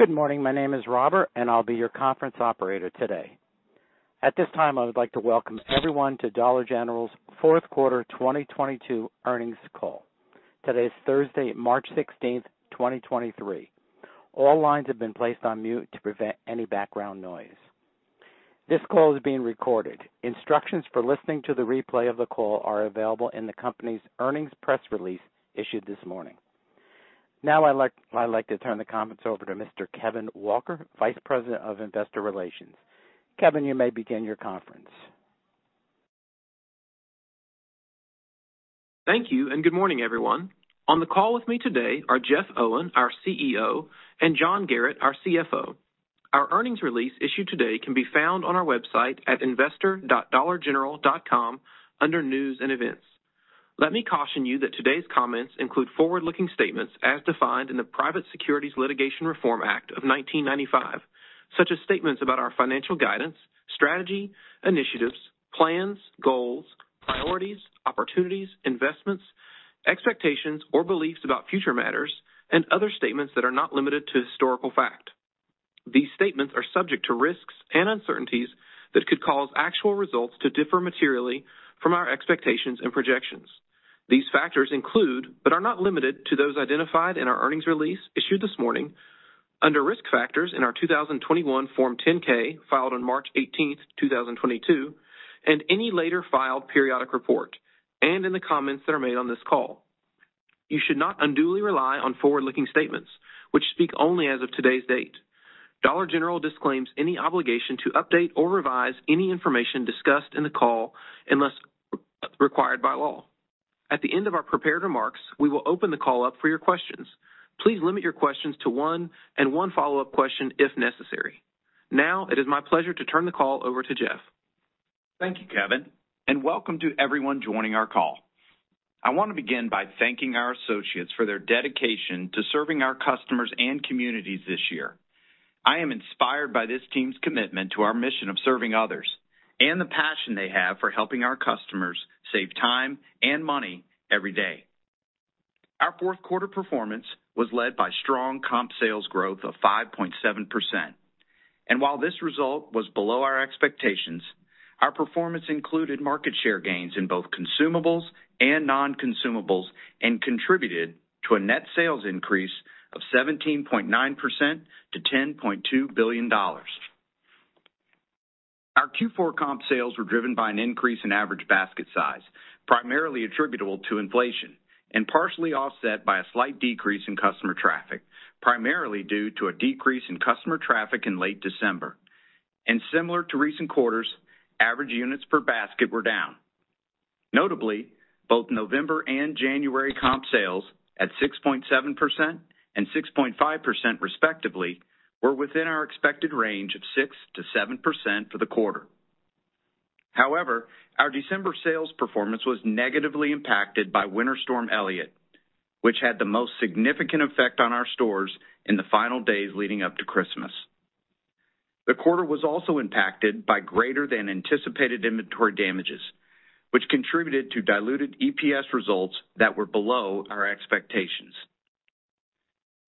Good morning. My name is Robert, I'll be your conference operator today. At this time, I would like to welcome everyone to Dollar General's fourth quarter 2022 earnings call. Today is Thursday, March 16th, 2023. All lines have been placed on mute to prevent any background noise. This call is being recorded. Instructions for listening to the replay of the call are available in the company's earnings press release issued this morning. I'd like to turn the comments over to Mr. Kevin Walker, Vice President of Investor Relations. Kevin, you may begin your conference. Thank you, good morning, everyone. On the call with me today are Jeff Owen, our CEO, and John Garratt, our CFO. Our earnings release issued today can be found on our website at investor.dollargeneral.com under news and events. Let me caution you that today's comments include forward-looking statements as defined in the Private Securities Litigation Reform Act of 1995, such as statements about our financial guidance, strategy, initiatives, plans, goals, priorities, opportunities, investments, expectations or beliefs about future matters and other statements that are not limited to historical fact. These statements are subject to risks and uncertainties that could cause actual results to differ materially from our expectations and projections. These factors include, but are not limited to those identified in our earnings release issued this morning under risk factors in our 2021 Form 10-K, filed on March 18th, 2022, and any later filed periodic report, and in the comments that are made on this call. You should not unduly rely on forward-looking statements which speak only as of today's date. Dollar General disclaims any obligation to update or revise any information discussed in the call unless required by law. At the end of our prepared remarks, we will open the call up for your questions. Please limit your questions to one and one follow-up question if necessary. Now it is my pleasure to turn the call over to Jeff. Thank you, Kevin, and welcome to everyone joining our call. I want to begin by thanking our associates for their dedication to serving our customers and communities this year. I am inspired by this team's commitment to our mission of serving others and the passion they have for helping our customers save time and money every day. Our fourth quarter performance was led by strong comp sales growth of 5.7%. While this result was below our expectations, our performance included market share gains in both consumables and non-consumables, and contributed to a net sales increase of 17.9% to $10.2 billion. Our Q4 comp sales were driven by an increase in average basket size, primarily attributable to inflation and partially offset by a slight decrease in customer traffic, primarily due to a decrease in customer traffic in late December. Similar to recent quarters, average units per basket were down. Notably, both November and January comp sales at 6.7% and 6.5% respectively, were within our expected range of 6%-7% for the quarter. Our December sales performance was negatively impacted by Winter Storm Elliott, which had the most significant effect on our stores in the final days leading up to Christmas. The quarter was also impacted by greater than anticipated inventory damages, which contributed to diluted EPS results that were below our expectations.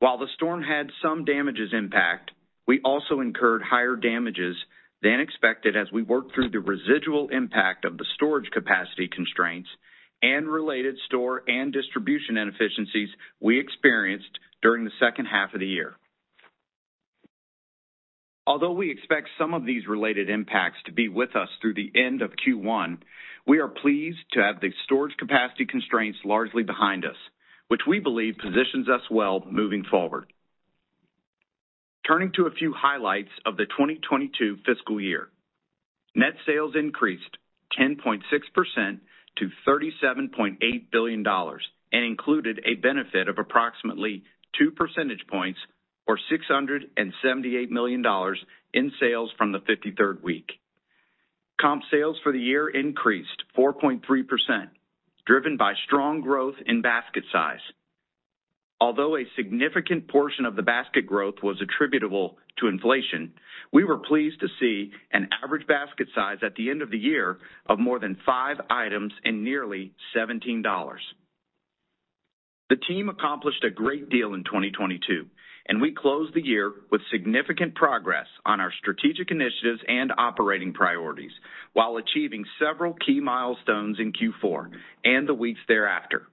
The storm had some damages impact, we also incurred higher damages than expected as we worked through the residual impact of the storage capacity constraints and related store and distribution inefficiencies we experienced during the second half of the year. Although we expect some of these related impacts to be with us through the end of Q1, we are pleased to have the storage capacity constraints largely behind us, which we believe positions us well moving forward. Turning to a few highlights of the 2022 fiscal year. Net sales increased 10.6% to $37.8 billion and included a benefit of approximately 2 percentage points or $678 million in sales from the 53rd week. Comp sales for the year increased 4.3%, driven by strong growth in basket size. Although a significant portion of the basket growth was attributable to inflation, we were pleased to see an average basket size at the end of the year of more than five items and nearly $17. The team accomplished a great deal in 2022. We closed the year with significant progress on our strategic initiatives and operating priorities while achieving several key milestones in Q4 and the weeks thereafter.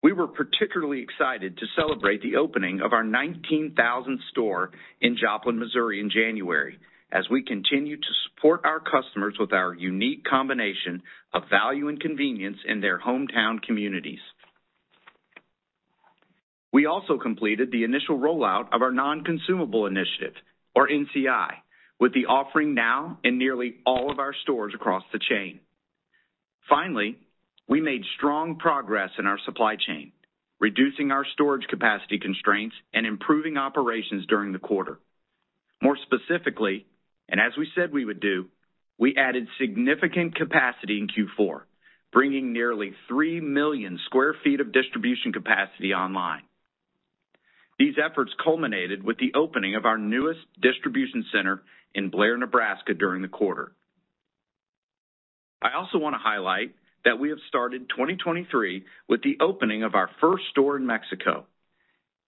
We were particularly excited to celebrate the opening of our 19,000th store in Joplin, Missouri in January as we continue to support our customers with our unique combination of value and convenience in their hometown communities. We also completed the initial rollout of our Non-Consumable Initiative, or NCI, with the offering now in nearly all of our stores across the chain. We made strong progress in our supply chain, reducing our storage capacity constraints and improving operations during the quarter. More specifically, as we said we would do, we added significant capacity in Q4, bringing nearly 3 million sq ft of distribution capacity online. These efforts culminated with the opening of our newest distribution center in Blair, Nebraska during the quarter. Also wanna highlight that we have started 2023 with the opening of our first store in Mexico.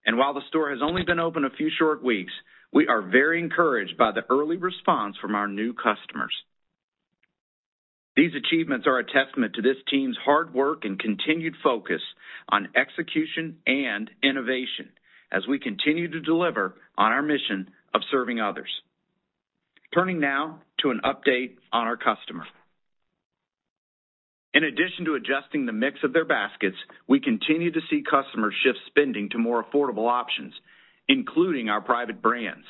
While the store has only been open a few short weeks, we are very encouraged by the early response from our new customers. These achievements are a testament to this team's hard work and continued focus on execution and innovation as we continue to deliver on our mission of serving others. Turning now to an update on our customer. In addition to adjusting the mix of their baskets, we continue to see customers shift spending to more affordable options, including our private brands,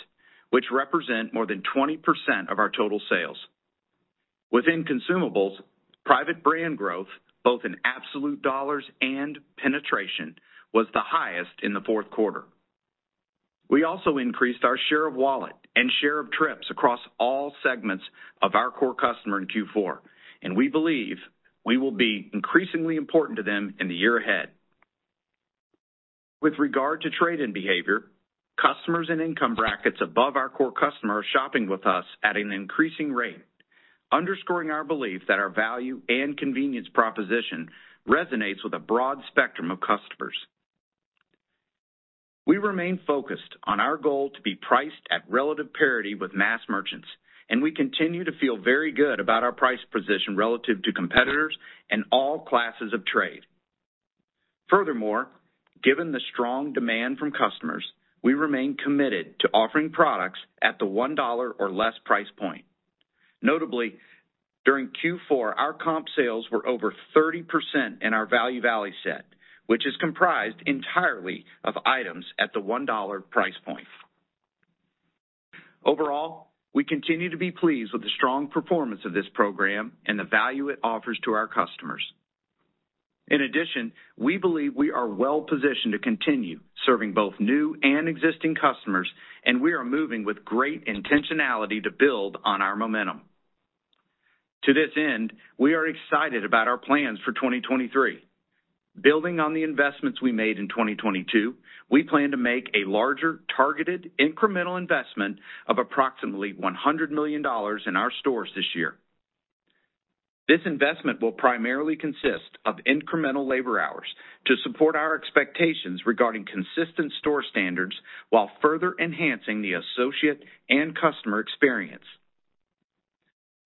which represent more than 20% of our total sales. Within consumables, private brand growth, both in absolute dollars and penetration, was the highest in the fourth quarter. We also increased our share of wallet and share of trips across all segments of our core customer in Q4, and we believe we will be increasingly important to them in the year ahead. With regard to trade and behavior, customers and income brackets above our core customer are shopping with us at an increasing rate, underscoring our belief that our value and convenience proposition resonates with a broad spectrum of customers. We remain focused on our goal to be priced at relative parity with mass merchants, and we continue to feel very good about our price position relative to competitors and all classes of trade. Furthermore, given the strong demand from customers, we remain committed to offering products at the one dollar or less price point. Notably, during Q4, our comp sales were over 30% in our Value Valley set, which is comprised entirely of items at the $1 price point. Overall, we continue to be pleased with the strong performance of this program and the value it offers to our customers. In addition, we believe we are well-positioned to continue serving both new and existing customers, and we are moving with great intentionality to build on our momentum. To this end, we are excited about our plans for 2023. Building on the investments we made in 2022, we plan to make a larger, targeted incremental investment of approximately $100 million in our stores this year. This investment will primarily consist of incremental labor hours to support our expectations regarding consistent store standards while further enhancing the associate and customer experience.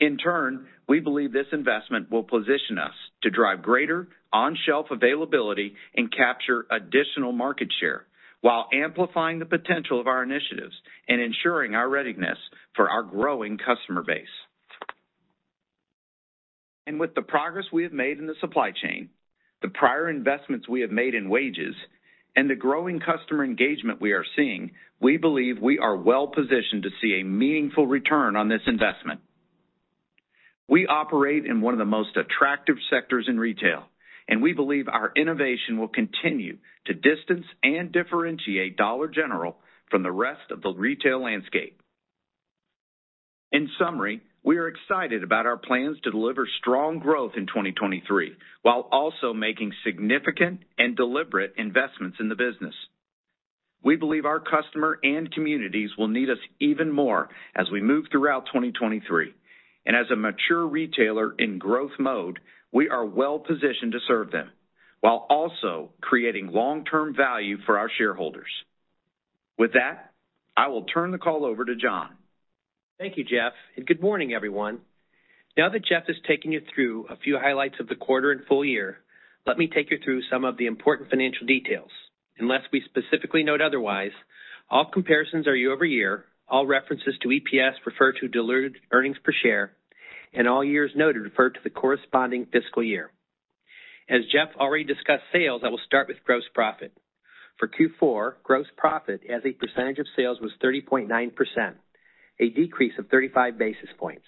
In turn, we believe this investment will position us to drive greater on-shelf availability and capture additional market share while amplifying the potential of our initiatives and ensuring our readiness for our growing customer base. With the progress we have made in the supply chain, the prior investments we have made in wages, and the growing customer engagement we are seeing, we believe we are well-positioned to see a meaningful return on this investment. We operate in one of the most attractive sectors in retail, and we believe our innovation will continue to distance and differentiate Dollar General from the rest of the retail landscape. In summary, we are excited about our plans to deliver strong growth in 2023, while also making significant and deliberate investments in the business. We believe our customer and communities will need us even more as we move throughout 2023. As a mature retailer in growth mode, we are well-positioned to serve them while also creating long-term value for our shareholders. With that, I will turn the call over to John. Thank you, Jeff. Good morning, everyone. Now that Jeff has taken you through a few highlights of the quarter and full year, let me take you through some of the important financial details. Unless we specifically note otherwise, all comparisons are year-over-year. All references to EPS refer to diluted earnings per share, and all years noted refer to the corresponding fiscal year. As Jeff already discussed sales, I will start with gross profit. For Q4, gross profit as a percentage of sales was 30.9%, a decrease of 35 basis points.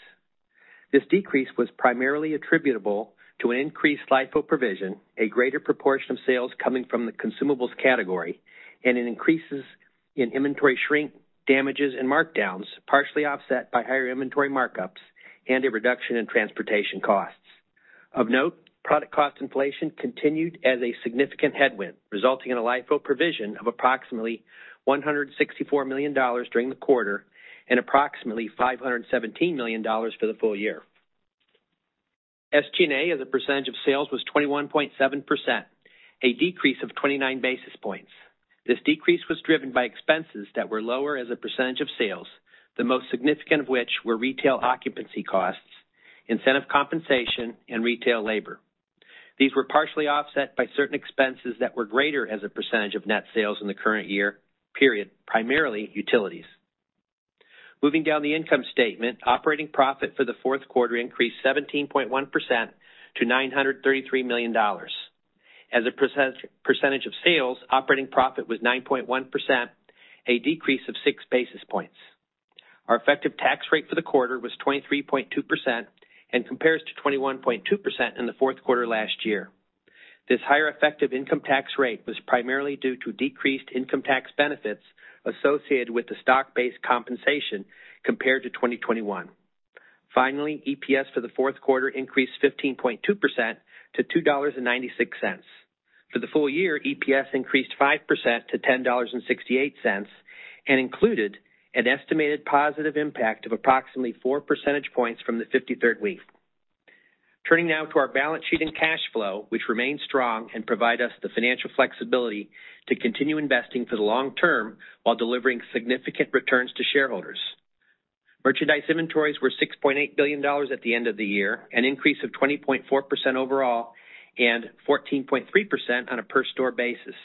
This decrease was primarily attributable to an increased LIFO provision, a greater proportion of sales coming from the consumables category, and an increases in inventory shrink, damages, and markdowns, partially offset by higher inventory markups and a reduction in transportation costs. Of note, product cost inflation continued as a significant headwind, resulting in a LIFO provision of approximately $164 million during the quarter and approximately $517 million for the full year. SG&A, as a percentage of sales, was 21.7%, a decrease of 29 basis points. This decrease was driven by expenses that were lower as a percentage of sales, the most significant of which were retail occupancy costs, incentive compensation, and retail labor. These were partially offset by certain expenses that were greater as a percentage of net sales in the current year period, primarily utilities. Moving down the income statement, operating profit for the fourth quarter increased 17.1% to $933 million. As a percentage of sales, operating profit was 9.1%, a decrease of 6 basis points. Our effective tax rate for the quarter was 23.2% and compares to 21.2% in the fourth quarter last year. This higher effective income tax rate was primarily due to decreased income tax benefits associated with the stock-based compensation compared to 2021. Finally, EPS for the fourth quarter increased 15.2% to $2.96. For the full year, EPS increased 5% to $10.68 and included an estimated positive impact of approximately 4 percentage points from the 53rd week. Turning now to our balance sheet and cash flow, which remain strong and provide us the financial flexibility to continue investing for the long term while delivering significant returns to shareholders. Merchandise inventories were $6.8 billion at the end of the year, an increase of 20.4% overall and 14.3% on a per store basis.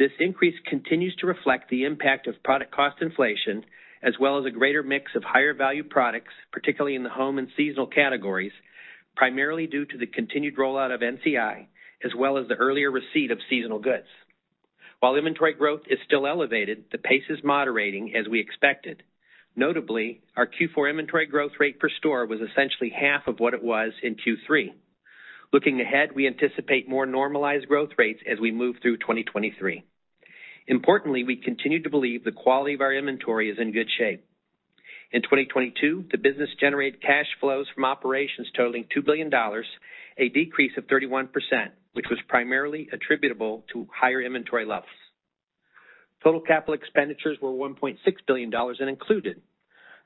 This increase continues to reflect the impact of product cost inflation as well as a greater mix of higher value products, particularly in the home and seasonal categories, primarily due to the continued rollout of NCI as well as the earlier receipt of seasonal goods. While inventory growth is still elevated, the pace is moderating as we expected. Notably, our Q4 inventory growth rate per store was essentially half of what it was in Q3. Looking ahead, we anticipate more normalized growth rates as we move through 2023. Importantly, we continue to believe the quality of our inventory is in good shape. In 2022, the business generated cash flows from operations totaling $2 billion, a decrease of 31%, which was primarily attributable to higher inventory levels. Total capital expenditures were $1.6 billion and included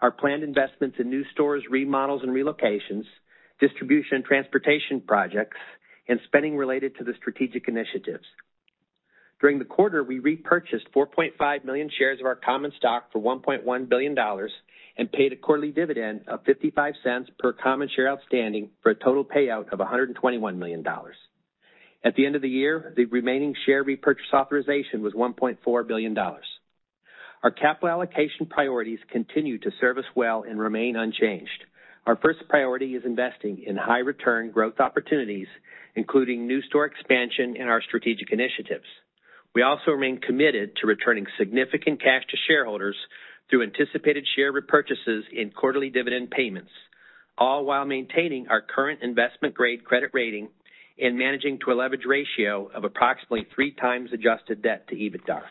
our planned investments in new stores, remodels and relocations, distribution and transportation projects, and spending related to the strategic initiatives. During the quarter, we repurchased 4.5 million shares of our common stock for $1.1 billion and paid a quarterly dividend of $0.55 per common share outstanding for a total payout of $121 million. At the end of the year, the remaining share repurchase authorization was $1.4 billion. Our capital allocation priorities continue to serve us well and remain unchanged. Our first priority is investing in high return growth opportunities, including new store expansion and our strategic initiatives. We also remain committed to returning significant cash to shareholders through anticipated share repurchases in quarterly dividend payments, all while maintaining our current investment grade credit rating and managing to a leverage ratio of approximately 3x adjusted debt to EBITDA.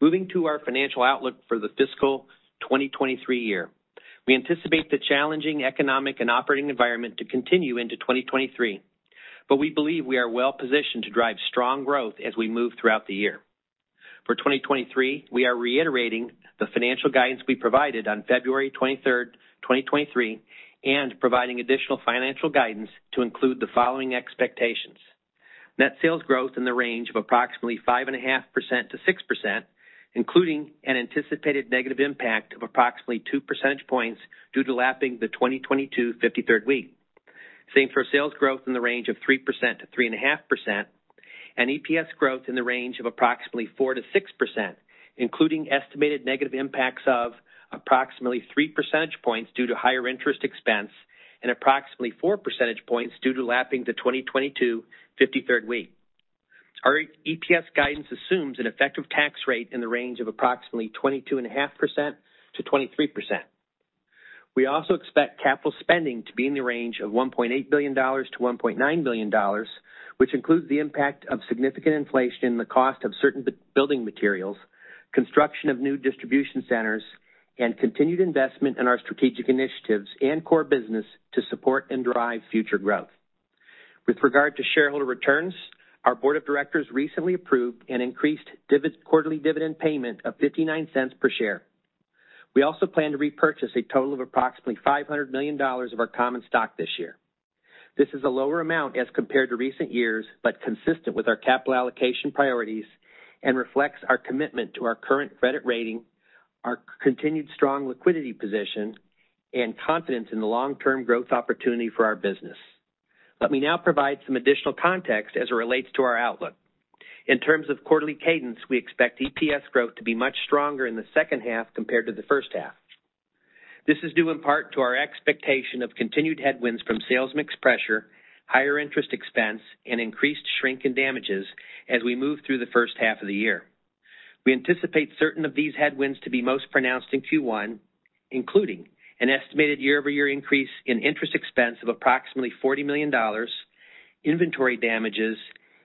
Moving to our financial outlook for the fiscal 2023 year. We anticipate the challenging economic and operating environment to continue into 2023, but we believe we are well-positioned to drive strong growth as we move throughout the year. For 2023, we are reiterating the financial guidance we provided on February 23rd, 2023, and providing additional financial guidance to include the following expectations. Net sales growth in the range of approximately 5.5%-6%, including an anticipated negative impact of approximately 2 percentage points due to lapping the 2022 53rd week. Same for sales growth in the range of 3%-3.5%, and EPS growth in the range of approximately 4%-6%, including estimated negative impacts of approximately 3 percentage points due to higher interest expense and approximately 4 percentage points due to lapping the 2022 53rd week. Our EPS guidance assumes an effective tax rate in the range of approximately 22.5%-23%. We also expect capital spending to be in the range of $1.8 billion-$1.9 billion, which includes the impact of significant inflation in the cost of certain building materials, construction of new distribution centers, and continued investment in our strategic initiatives and core business to support and drive future growth. With regard to shareholder returns, our board of directors recently approved an increased quarterly dividend payment of $0.59 per share. We also plan to repurchase a total of approximately $500 million of our common stock this year. This is a lower amount as compared to recent years, but consistent with our capital allocation priorities and reflects our commitment to our current credit rating, our continued strong liquidity position, and confidence in the long-term growth opportunity for our business. Let me now provide some additional context as it relates to our outlook. In terms of quarterly cadence, we expect EPS growth to be much stronger in the second half compared to the first half. This is due in part to our expectation of continued headwinds from sales mix pressure, higher interest expense, and increased shrink and damages as we move through the first half of the year. We anticipate certain of these headwinds to be most pronounced in Q1, including an estimated year-over-year increase in interest expense of approximately $40 million, inventory damages,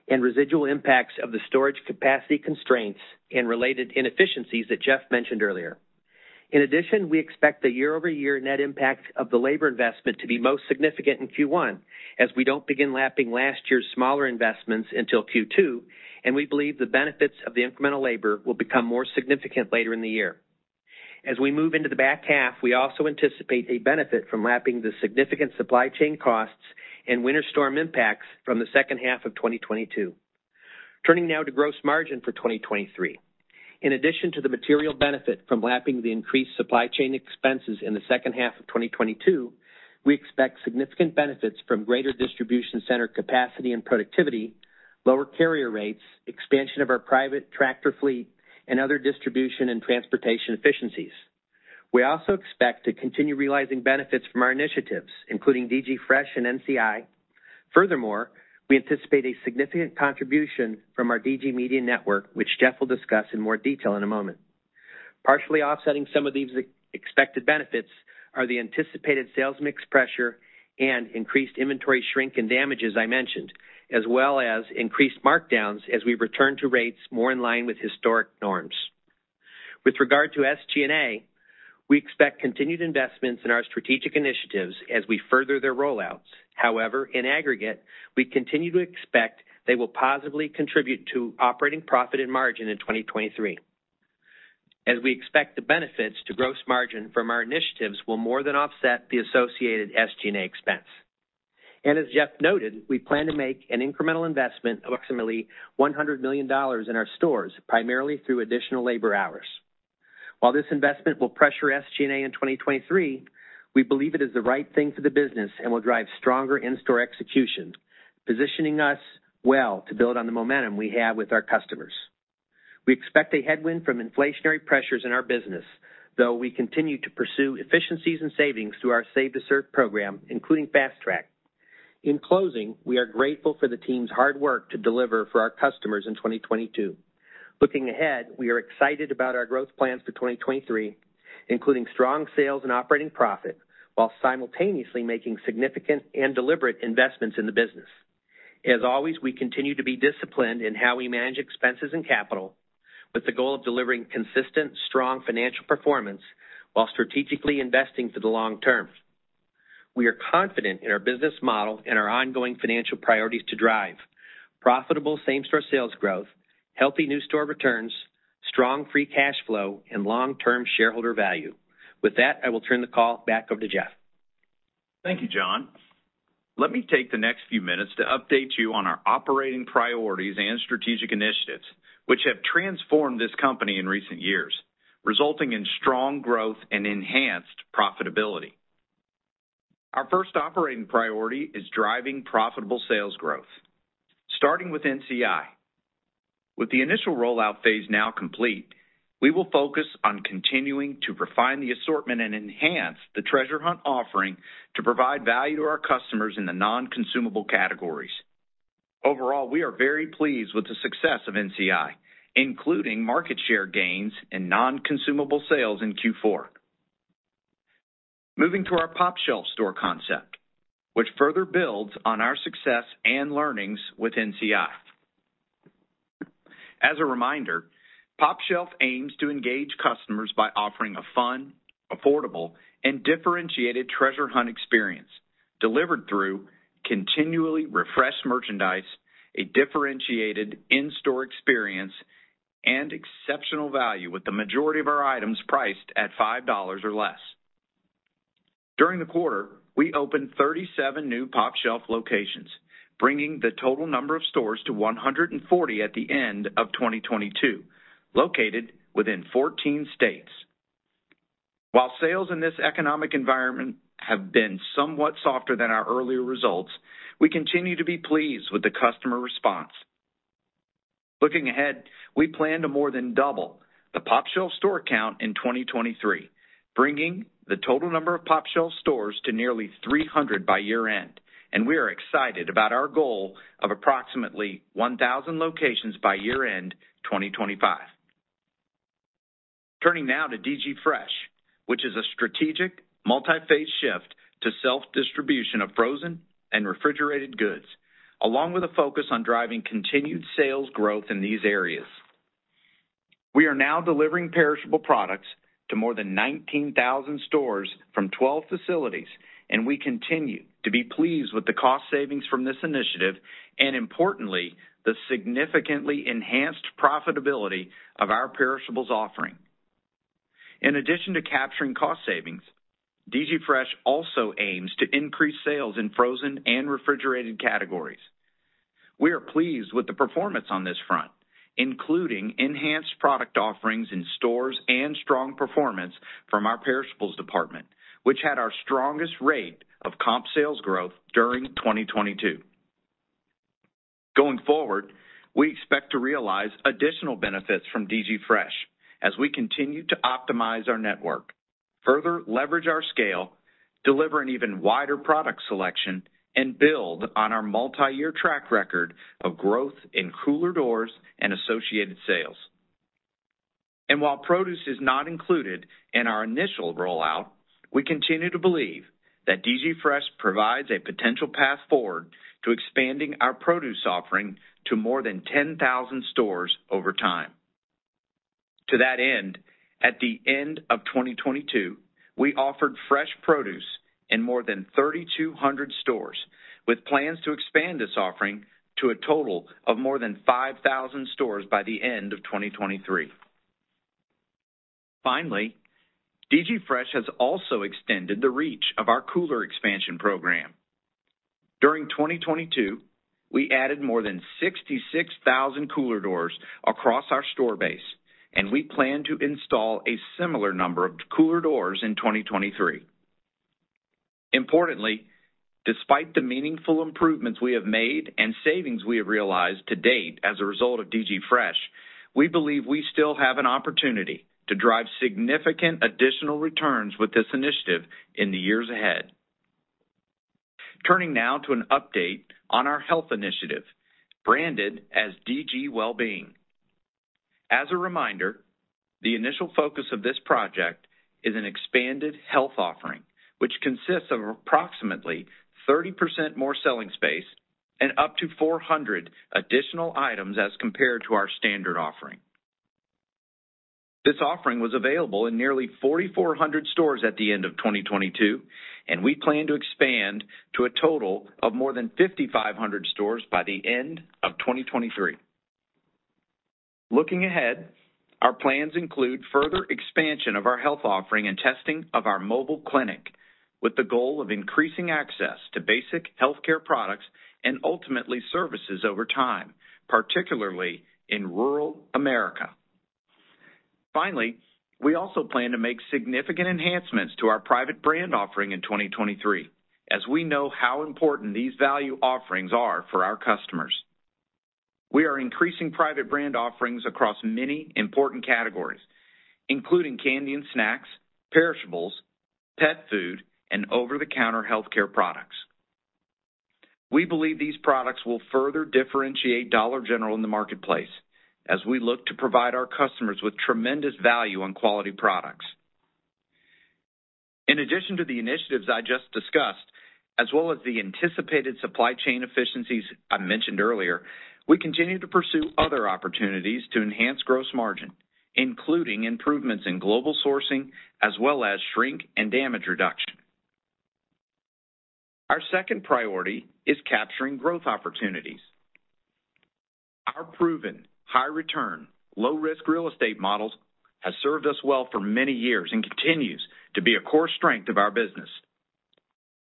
and residual impacts of the storage capacity constraints and related inefficiencies that Jeff mentioned earlier. In addition, we expect the year-over-year net impact of the labor investment to be most significant in Q1 as we don't begin lapping last year's smaller investments until Q2, and we believe the benefits of the incremental labor will become more significant later in the year. As we move into the back half, we also anticipate a benefit from lapping the significant supply chain costs and Winter Storm impacts from the second half of 2022. Turning now to gross margin for 2023. In addition to the material benefit from lapping the increased supply chain expenses in the second half of 2022, we expect significant benefits from greater distribution center capacity and productivity, lower carrier rates, expansion of our private tractor fleet, and other distribution and transportation efficiencies. We also expect to continue realizing benefits from our initiatives, including DG Fresh and NCI. We anticipate a significant contribution from our DG Media Network, which Jeff will discuss in more detail in a moment. Partially offsetting some of these expected benefits are the anticipated sales mix pressure and increased inventory shrink and damages I mentioned, as well as increased markdowns as we return to rates more in line with historic norms. With regard to SG&A, we expect continued investments in our strategic initiatives as we further their rollouts. In aggregate, we continue to expect they will positively contribute to operating profit and margin in 2023, as we expect the benefits to gross margin from our initiatives will more than offset the associated SG&A expense. As Jeff noted, we plan to make an incremental investment of approximately $100 million in our stores, primarily through additional labor hours. While this investment will pressure SG&A in 2023, we believe it is the right thing for the business and will drive stronger in-store execution, positioning us well to build on the momentum we have with our customers. We expect a headwind from inflationary pressures in our business, though we continue to pursue efficiencies and savings through our Back to Basics program, including Fast Track. In closing, we are grateful for the team's hard work to deliver for our customers in 2022. Looking ahead, we are excited about our growth plans for 2023, including strong sales and operating profit while simultaneously making significant and deliberate investments in the business. As always, we continue to be disciplined in how we manage expenses and capital with the goal of delivering consistent, strong financial performance while strategically investing for the long term. We are confident in our business model and our ongoing financial priorities to drive profitable same-store sales growth, healthy new store returns, strong free cash flow, and long-term shareholder value. With that, I will turn the call back over to Jeff. Thank you, John. Let me take the next few minutes to update you on our operating priorities and strategic initiatives, which have transformed this company in recent years, resulting in strong growth and enhanced profitability. Our first operating priority is driving profitable sales growth, starting with NCI. With the initial rollout phase now complete, we will focus on continuing to refine the assortment and enhance the treasure hunt offering to provide value to our customers in the non-consumable categories. Overall, we are very pleased with the success of NCI, including market share gains and non-consumable sales in Q4. Moving to our popshelf store concept, which further builds on our success and learnings with NCI. As a reminder, popshelf aims to engage customers by offering a fun, affordable, and differentiated treasure hunt experience delivered through continually refreshed merchandise, a differentiated in-store experience, and exceptional value with the majority of our items priced at $5 or less. During the quarter, we opened 37 new popshelf locations, bringing the total number of stores to 140 at the end of 2022, located within 14 states. While sales in this economic environment have been somewhat softer than our earlier results, we continue to be pleased with the customer response. Looking ahead, we plan to more than double the popshelf store count in 2023, bringing the total number of popshelf stores to nearly 300 by year-end, and we are excited about our goal of approximately 1,000 locations by year-end 2025. Turning now to DG Fresh, which is a strategic multi-phase shift to self-distribution of frozen and refrigerated goods, along with a focus on driving continued sales growth in these areas. We are now delivering perishable products to more than 19,000 stores from 12 facilities, and we continue to be pleased with the cost savings from this initiative and importantly, the significantly enhanced profitability of our perishables offering. In addition to capturing cost savings, DG Fresh also aims to increase sales in frozen and refrigerated categories. We are pleased with the performance on this front, including enhanced product offerings in stores and strong performance from our perishables department, which had our strongest rate of comp sales growth during 2022. Going forward, we expect to realize additional benefits from DG Fresh as we continue to optimize our network, further leverage our scale, deliver an even wider product selection, and build on our multi-year track record of growth in cooler doors and associated sales. While produce is not included in our initial rollout, we continue to believe that DG Fresh provides a potential path forward to expanding our produce offering to more than 10,000 stores over time. To that end, at the end of 2022, we offered fresh produce in more than 3,200 stores, with plans to expand this offering to a total of more than 5,000 stores by the end of 2023. DG Fresh has also extended the reach of our cooler expansion program. During 2022, we added more than 66,000 cooler doors across our store base. We plan to install a similar number of cooler doors in 2023. Importantly, despite the meaningful improvements we have made and savings we have realized to date as a result of DG Fresh, we believe we still have an opportunity to drive significant additional returns with this initiative in the years ahead. Turning now to an update on our health initiative, branded as DG Wellbeing. As a reminder, the initial focus of this is an expanded health offering, which consists of approximately 30% more selling space and up to 400 additional items as compared to our standard offering. This offering was available in nearly 4,400 stores at the end of 2022. We plan to expand to a total of more than 5,500 stores by the end of 2023. Looking ahead, our plans include further expansion of our health offering and testing of our mobile clinic, with the goal of increasing access to basic healthcare products and ultimately services over time, particularly in rural America. Finally, we also plan to make significant enhancements to our private brand offering in 2023, as we know how important these value offerings are for our customers. We are increasing private brand offerings across many important categories, including candy and snacks, perishables, pet food, and over-the-counter healthcare products. We believe these products will further differentiate Dollar General in the marketplace as we look to provide our customers with tremendous value on quality products. In addition to the initiatives I just discussed, as well as the anticipated supply chain efficiencies I mentioned earlier, we continue to pursue other opportunities to enhance gross margin, including improvements in global sourcing as well as shrink and damage reduction. Our second priority is capturing growth opportunities. Our proven high return, low risk real estate models has served us well for many years and continues to be a core strength of our business.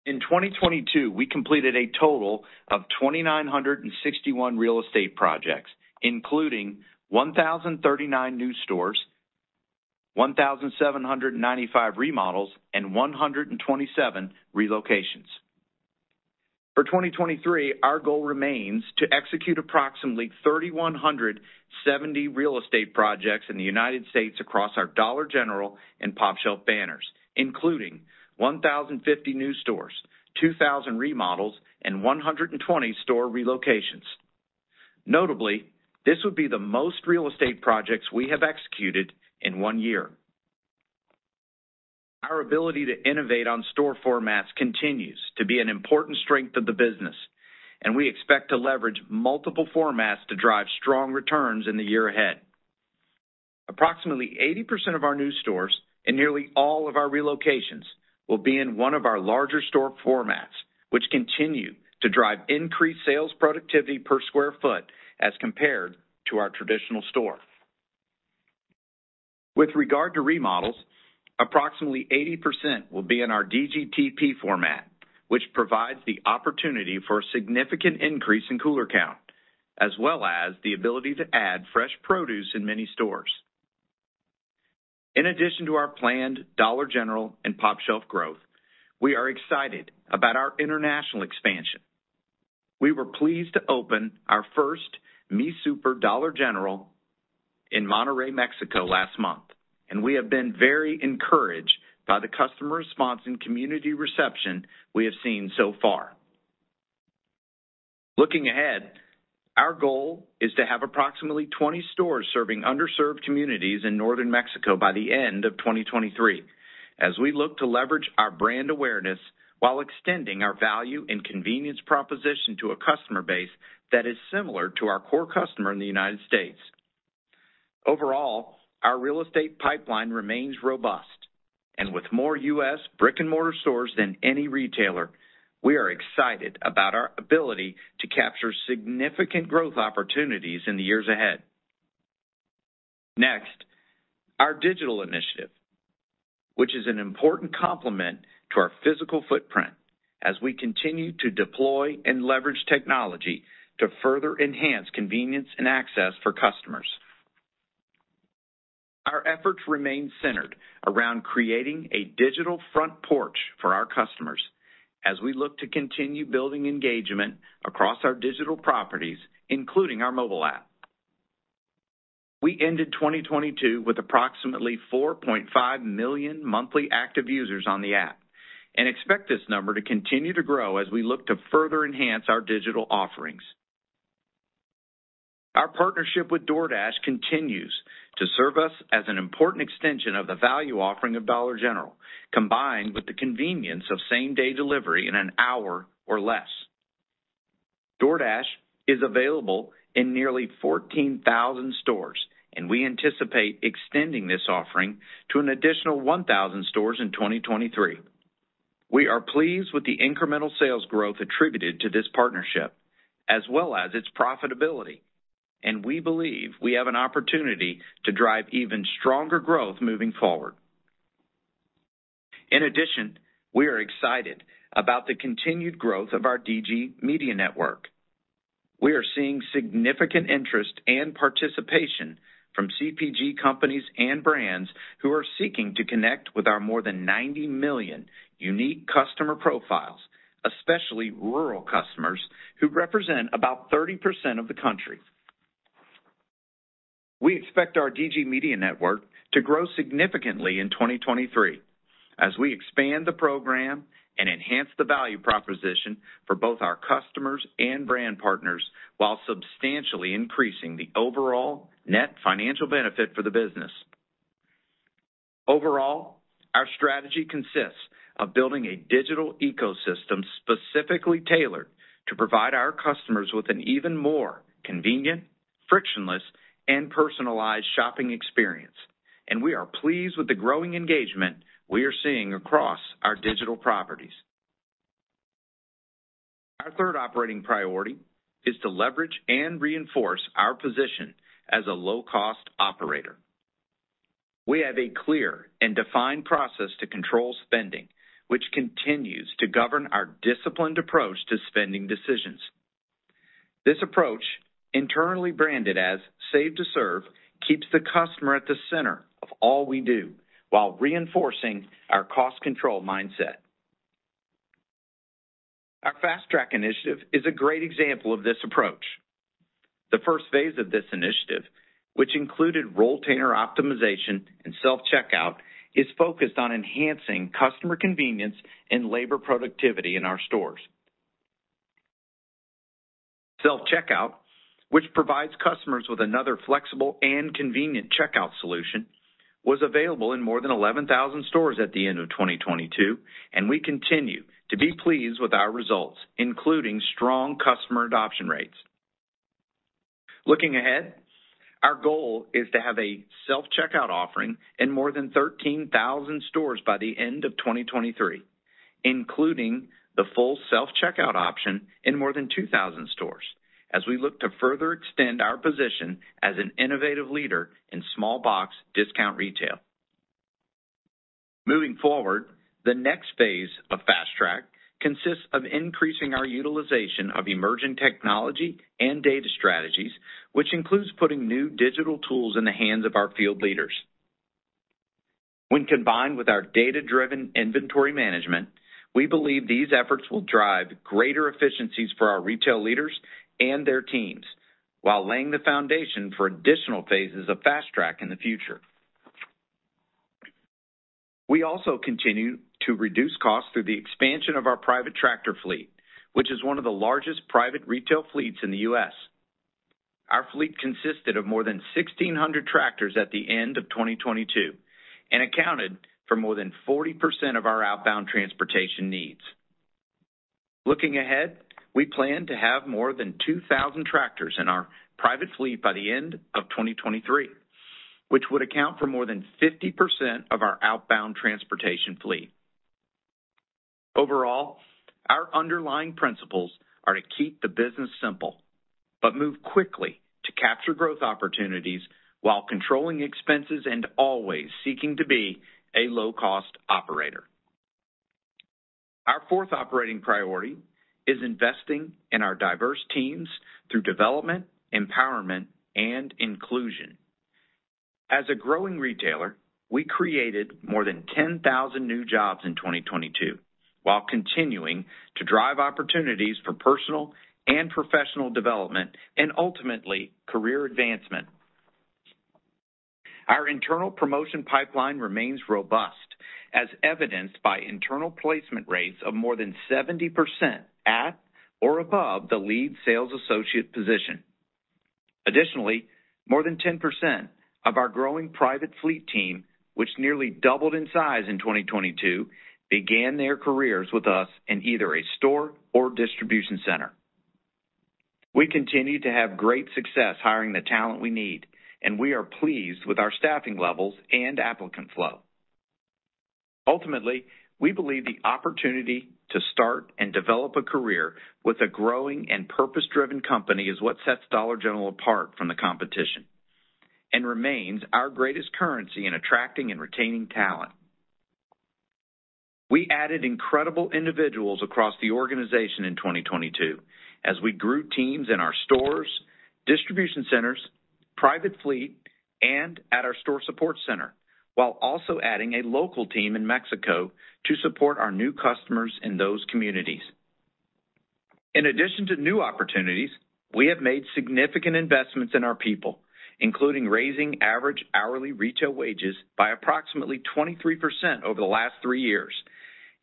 In 2022, we completed a total of 2,961 real estate projects, including 1,039 new stores, 1,795 remodels, and 127 relocations. For 2023, our goal remains to execute approximately 3,170 real estate projects in the United States across our Dollar General and popshelf banners, including 1,050 new stores, 2,000 remodels, and 120 store relocations. Notably, this would be the most real estate projects we have executed in one year. Our ability to innovate on store formats continues to be an important strength of the business, and we expect to leverage multiple formats to drive strong returns in the year ahead. Approximately 80% of our new stores and nearly all of our relocations will be in one of our larger store formats, which continue to drive increased sales productivity per square foot as compared to our traditional store. With regard to remodels, approximately 80% will be in our DGTP format, which provides the opportunity for a significant increase in cooler count, as well as the ability to add fresh produce in many stores. In addition to our planned Dollar General and popshelf growth, we are excited about our international expansion. We were pleased to open our first Mi Súper Dollar General in Monterrey, Mexico last month, and we have been very encouraged by the customer response and community reception we have seen so far. Looking ahead, our goal is to have approximately 20 stores serving underserved communities in northern Mexico by the end of 2023, as we look to leverage our brand awareness while extending our value and convenience proposition to a customer base that is similar to our core customer in the United States. Overall, our real estate pipeline remains robust and with more U.S. brick-and-mortar stores than any retailer, we are excited about our ability to capture significant growth opportunities in the years ahead. Next, our digital initiative, which is an important complement to our physical footprint as we continue to deploy and leverage technology to further enhance convenience and access for customers. Our efforts remain centered around creating a digital front porch for our customers as we look to continue building engagement across our digital properties, including our mobile app. We ended 2022 with approximately 4.5 million monthly active users on the app and expect this number to continue to grow as we look to further enhance our digital offerings. Our partnership with DoorDash continues to serve us as an important extension of the value offering of Dollar General, combined with the convenience of same-day delivery in an hour or less. DoorDash is available in nearly 14,000 stores. We anticipate extending this offering to an additional 1,000 stores in 2023. We are pleased with the incremental sales growth attributed to this partnership, as well as its profitability. We believe we have an opportunity to drive even stronger growth moving forward. In addition, we are excited about the continued growth of our DG Media Network. We are seeing significant interest and participation from CPG companies and brands who are seeking to connect with our more than 90 million unique customer profiles, especially rural customers, who represent about 30% of the country. We expect our DG Media Network to grow significantly in 2023, as we expand the program and enhance the value proposition for both our customers and brand partners, while substantially increasing the overall net financial benefit for the business. Our strategy consists of building a digital ecosystem specifically tailored to provide our customers with an even more convenient, frictionless, and personalized shopping experience, and we are pleased with the growing engagement we are seeing across our digital properties. Our third operating priority is to leverage and reinforce our position as a low-cost operator. We have a clear and defined process to control spending, which continues to govern our disciplined approach to spending decisions. This approach, internally branded as Back to Basics, keeps the customer at the center of all we do, while reinforcing our cost control mindset. Our Fast Track initiative is a great example of this approach. The first phase of this initiative, which included roll container optimization and self-checkout, is focused on enhancing customer convenience and labor productivity in our stores. Self-checkout, which provides customers with another flexible and convenient checkout solution, was available in more than 11,000 stores at the end of 2022. We continue to be pleased with our results, including strong customer adoption rates. Looking ahead, our goal is to have a self-checkout offering in more than 13,000 stores by the end of 2023, including the full self-checkout option in more than 2,000 stores as we look to further extend our position as an innovative leader in small box discount retail. Moving forward, the next phase of Fast Track consists of increasing our utilization of emerging technology and data strategies, which includes putting new digital tools in the hands of our field leaders. When combined with our data-driven inventory management, we believe these efforts will drive greater efficiencies for our retail leaders and their teams while laying the foundation for additional phases of Fast Track in the future. We also continue to reduce costs through the expansion of our private tractor fleet, which is one of the largest private retail fleets in the U.S. Our fleet consisted of more than 1,600 tractors at the end of 2022 and accounted for more than 40% of our outbound transportation needs. Looking ahead, we plan to have more than 2,000 tractors in our private fleet by the end of 2023, which would account for more than 50% of our outbound transportation fleet. Overall, our underlying principles are to keep the business simple but move quickly to capture growth opportunities while controlling expenses and always seeking to be a low-cost operator. Our fourth operating priority is investing in our diverse teams through development, empowerment, and inclusion. As a growing retailer, we created more than 10,000 new jobs in 2022 while continuing to drive opportunities for personal and professional development and, ultimately, career advancement. Our internal promotion pipeline remains robust, as evidenced by internal placement rates of more than 70% at or above the lead sales associate position. Additionally, more than 10% of our growing private fleet team, which nearly doubled in size in 2022, began their careers with us in either a store or distribution center. We continue to have great success hiring the talent we need, and we are pleased with our staffing levels and applicant flow. Ultimately, we believe the opportunity to start and develop a career with a growing and purpose-driven company is what sets Dollar General apart from the competition and remains our greatest currency in attracting and retaining talent. We added incredible individuals across the organization in 2022 as we grew teams in our stores, distribution centers, private fleet, and at our store support center, while also adding a local team in Mexico to support our new customers in those communities. In addition to new opportunities, we have made significant investments in our people, including raising average hourly retail wages by approximately 23% over the last three years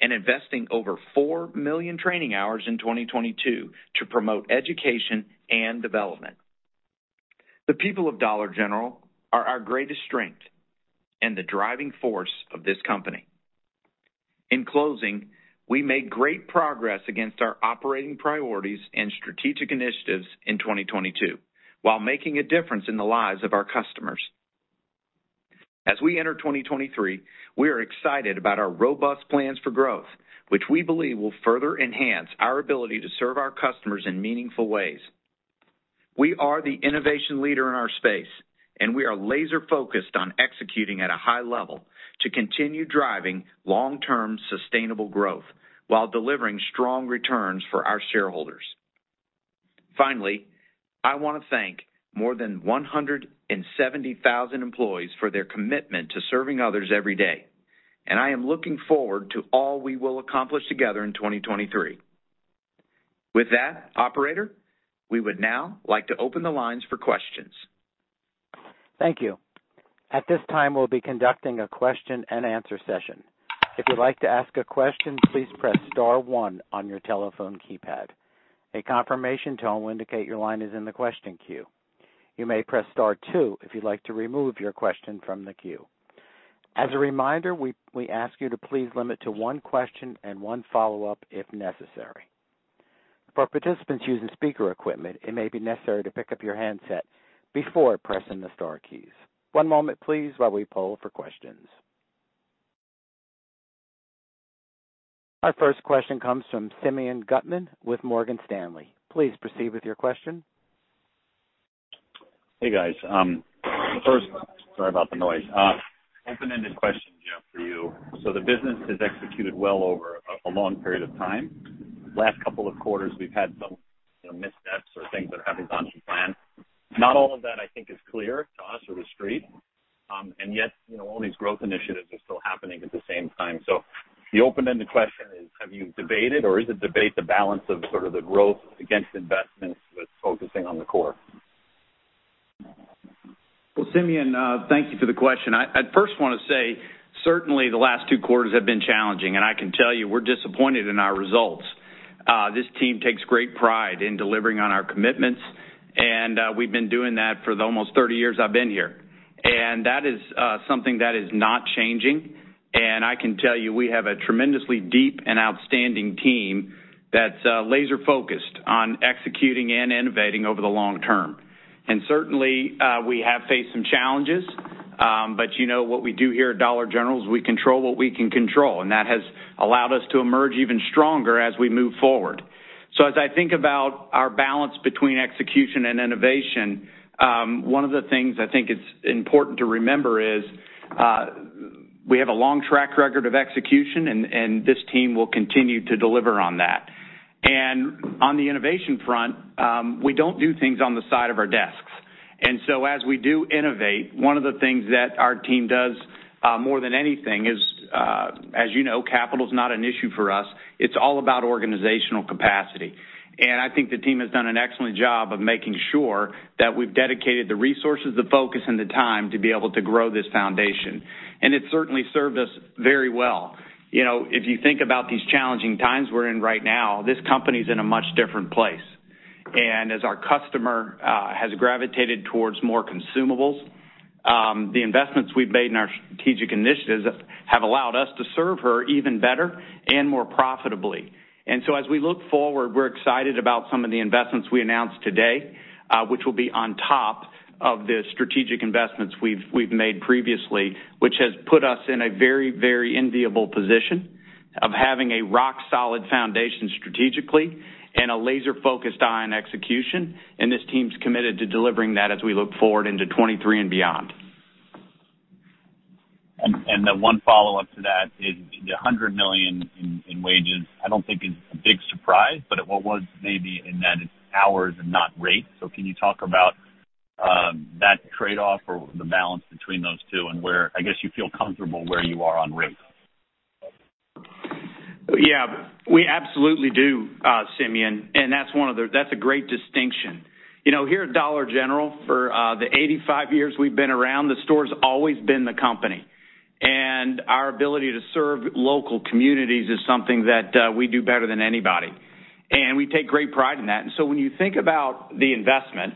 and investing over 4 million training hours in 2022 to promote education and development. The people of Dollar General are our greatest strength and the driving force of this company. In closing, we made great progress against our operating priorities and strategic initiatives in 2022 while making a difference in the lives of our customers. As we enter 2023, we are excited about our robust plans for growth, which we believe will further enhance our ability to serve our customers in meaningful ways. We are the innovation leader in our space, we are laser-focused on executing at a high level to continue driving long-term sustainable growth while delivering strong returns for our shareholders. Finally, I want to thank more than 170,000 employees for their commitment to serving others every day, I am looking forward to all we will accomplish together in 2023. With that, operator, we would now like to open the lines for questions. Thank you. At this time, we'll be conducting a question-and-answer session. If you'd like to ask a question, please press star one on your telephone keypad. A confirmation tone will indicate your line is in the question queue. You may press star two if you'd like to remove your question from the queue. As a reminder, we ask you to please limit to one question and one follow-up if necessary. For participants using speaker equipment, it may be necessary to pick up your handset before pressing the star keys. One moment, please, while we poll for questions. Our first question comes from Simeon Gutman with Morgan Stanley. Please proceed with your question. Hey, guys. Open-ended question, Jeff, for you. The business has executed well over a long period of time. Last couple of quarters, we've had some, you know, missteps or things that haven't gone to plan. Not all of that, I think, is clear to us or the street. Yet, you know, all these growth initiatives are still happening at the same time. The open-ended question is, have you debated or is it debate the balance of sort of the growth against investments with focusing on the core? Well, Simeon, thank you for the question. I'd first wanna say, certainly the last two quarters have been challenging, and I can tell you we're disappointed in our results. This team takes great pride in delivering on our commitments, and we've been doing that for the almost 30 years I've been here. That is something that is not changing. I can tell you, we have a tremendously deep and outstanding team that's laser-focused on executing and innovating over the long term. Certainly, we have faced some challenges, but you know what we do here at Dollar General is we control what we can control, and that has allowed us to emerge even stronger as we move forward. As I think about our balance between execution and innovation, one of the things I think it's important to remember is we have a long track record of execution and this team will continue to deliver on that. On the innovation front, we don't do things on the side of our desks. As we do innovate, one of the things that our team does, more than anything is, as you know, capital is not an issue for us. It's all about organizational capacity. I think the team has done an excellent job of making sure that we've dedicated the resources, the focus, and the time to be able to grow this foundation. It certainly served us very well. You know, if you think about these challenging times we're in right now, this company is in a much different place. As our customer has gravitated towards more consumables, the investments we've made in our strategic initiatives have allowed us to serve her even better and more profitably. As we look forward, we're excited about some of the investments we announced today, which will be on top of the strategic investments we've made previously, which has put us in a very, very enviable position of having a rock-solid foundation strategically and a laser-focused eye on execution. This team's committed to delivering that as we look forward into 23 and beyond. The one follow-up to that is the $100 million in wages, I don't think is a big surprise, but it was maybe in that it's hours and not rates. Can you talk about that trade-off or the balance between those two and where, I guess, you feel comfortable where you are on rate? Yeah. We absolutely do, Simeon, that's a great distinction. You know, here at Dollar General, for the 85 years we've been around, the store's always been the company. Our ability to serve local communities is something that we do better than anybody. We take great pride in that. When you think about the investment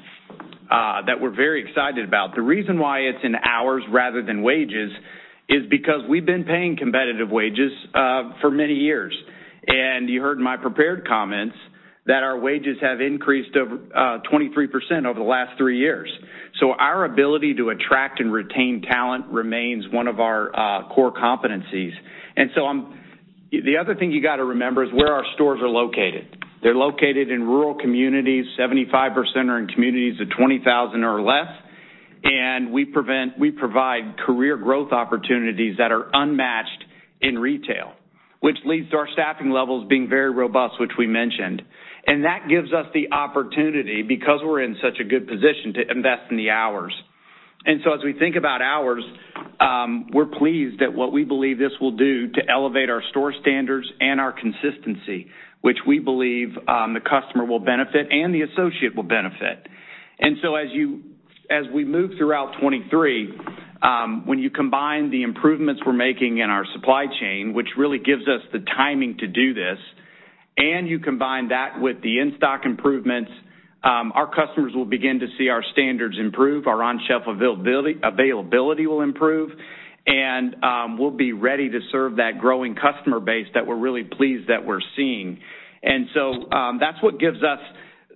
that we're very excited about, the reason why it's in hours rather than wages is because we've been paying competitive wages for many years. You heard in my prepared comments that our wages have increased over 23% over the last three years. Our ability to attract and retain talent remains one of our core competencies. The other thing you gotta remember is where our stores are located. They're located in rural communities, 75% are in communities of 20,000 or less, and we provide career growth opportunities that are unmatched in retail, which leads to our staffing levels being very robust, which we mentioned. That gives us the opportunity, because we're in such a good position, to invest in the hours. As we think about hours, we're pleased at what we believe this will do to elevate our store standards and our consistency, which we believe, the customer will benefit and the associate will benefit. As we move throughout 2023, when you combine the improvements we're making in our supply chain, which really gives us the timing to do this, and you combine that with the in-stock improvements, our customers will begin to see our standards improve, our on-shelf availability will improve, and we'll be ready to serve that growing customer base that we're really pleased that we're seeing. That's what gives us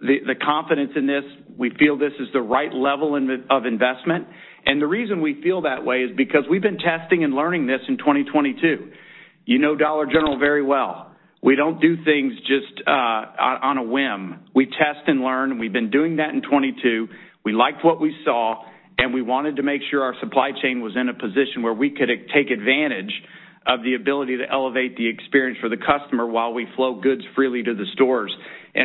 the confidence in this. We feel this is the right level of investment. The reason we feel that way is because we've been testing and learning this in 2022. You know Dollar General very well. We don't do things just on a whim. We test and learn. We've been doing that in 2022. We liked what we saw, and we wanted to make sure our supply chain was in a position where we could take advantage of the ability to elevate the experience for the customer while we flow goods freely to the stores.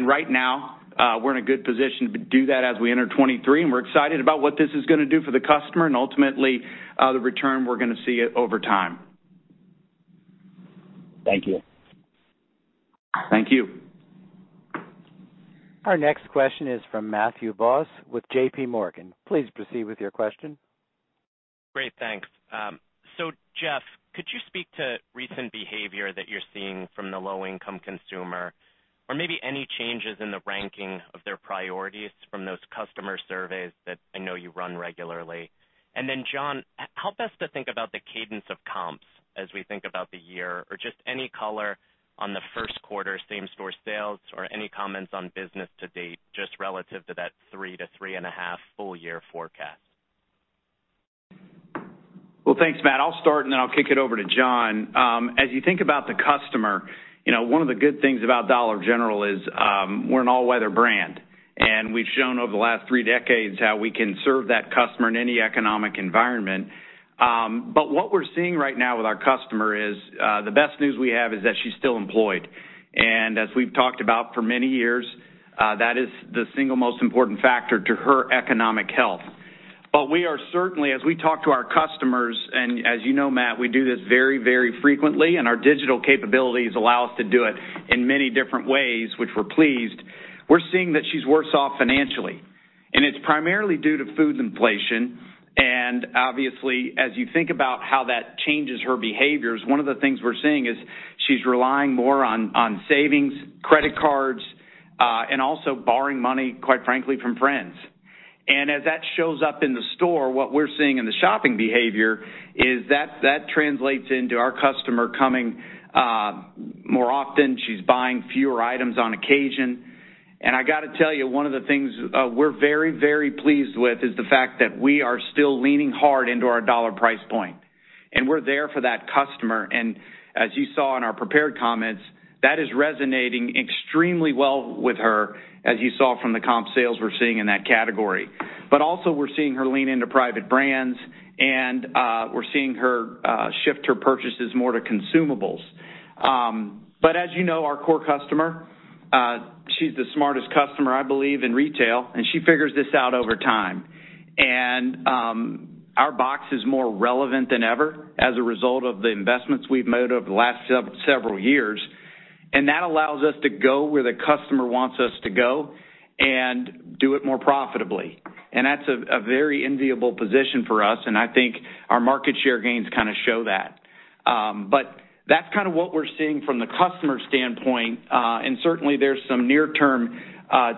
Right now, we're in a good position to do that as we enter 2023, and we're excited about what this is gonna do for the customer and ultimately, the return we're gonna see over time. Thank you. Thank you. Our next question is from Matt Boss with JPMorgan. Please proceed with your question. Great, thanks. Jeff, could you speak to recent behavior that you're seeing from the low-income consumer or maybe any changes in the ranking of their priorities from those customer surveys that I know you run regularly? John, help us to think about the cadence of comps as we think about the year or just any color on the first quarter same-store sales or any comments on business to date, just relative to that 3%-3.5% full-year forecast? Well, thanks, Matt. I'll start, then I'll kick it over to John. As you think about the customer, you know, one of the good things about Dollar General is, we're an all-weather brand, and we've shown over the last three decades how we can serve that customer in any economic environment. What we're seeing right now with our customer is, the best news we have is that she's still employed. As we've talked about for many years, that is the single most important factor to her economic health. We are certainly, as we talk to our customers, and as you know, Matt, we do this very, very frequently, and our digital capabilities allow us to do it in many different ways, which we're pleased. We're seeing that she's worse off financially, and it's primarily due to food inflation. Obviously, as you think about how that changes her behaviors, one of the things we're seeing is she's relying more on savings, credit cards, and also borrowing money, quite frankly, from friends. As that shows up in the store, what we're seeing in the shopping behavior is that translates into our customer coming more often. She's buying fewer items on occasion. I got to tell you, one of the things we're very, very pleased with is the fact that we are still leaning hard into our dollar price point, and we're there for that customer. As you saw in our prepared comments, that is resonating extremely well with her, as you saw from the comp sales we're seeing in that category. Also we're seeing her lean into private brands and we're seeing her shift her purchases more to consumables. As you know, our core customer, she's the smartest customer, I believe, in retail, and she figures this out over time. Our box is more relevant than ever as a result of the investments we've made over the last several years. That allows us to go where the customer wants us to go and do it more profitably. That's a very enviable position for us, and I think our market share gains kind of show that. That's kind of what we're seeing from the customer standpoint, and certainly there's some near-term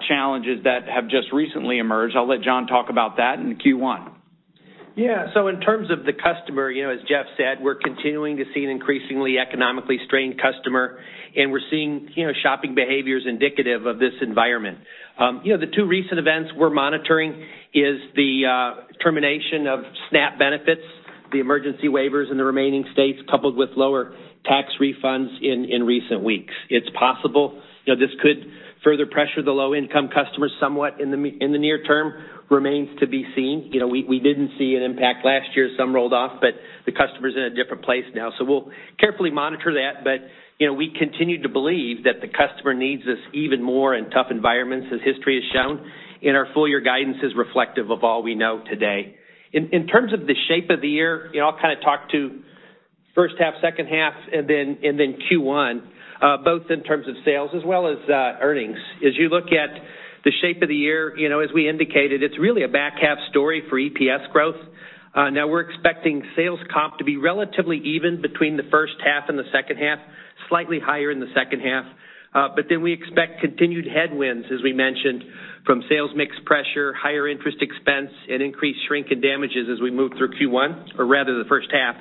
challenges that have just recently emerged. I'll let John talk about that in the Q1. Yeah. In terms of the customer, you know, as Jeff said, we're continuing to see an increasingly economically strained customer, and we're seeing, you know, shopping behaviors indicative of this environment. You know, the two recent events we're monitoring is the termination of SNAP benefits, the emergency waivers in the remaining states, coupled with lower tax refunds in recent weeks. It's possible, you know, this could further pressure the low-income customers somewhat in the, in the near term. Remains to be seen. You know, we didn't see an impact last year. Some rolled off, but the customer's in a different place now. We'll carefully monitor that. You know, we continue to believe that the customer needs us even more in tough environments as history has shown, and our full-year guidance is reflective of all we know today. In terms of the shape of the year, you know, I'll kind of talk to first half, second half, and then Q1, both in terms of sales as well as earnings. As you look at the shape of the year, you know, as we indicated, it's really a back half story for EPS growth. Now we're expecting sales comp to be relatively even between the first half and the second half, slightly higher in the second half. We expect continued headwinds, as we mentioned, from sales mix pressure, higher interest expense, and increased shrink and damages as we move through Q1 or rather the first half.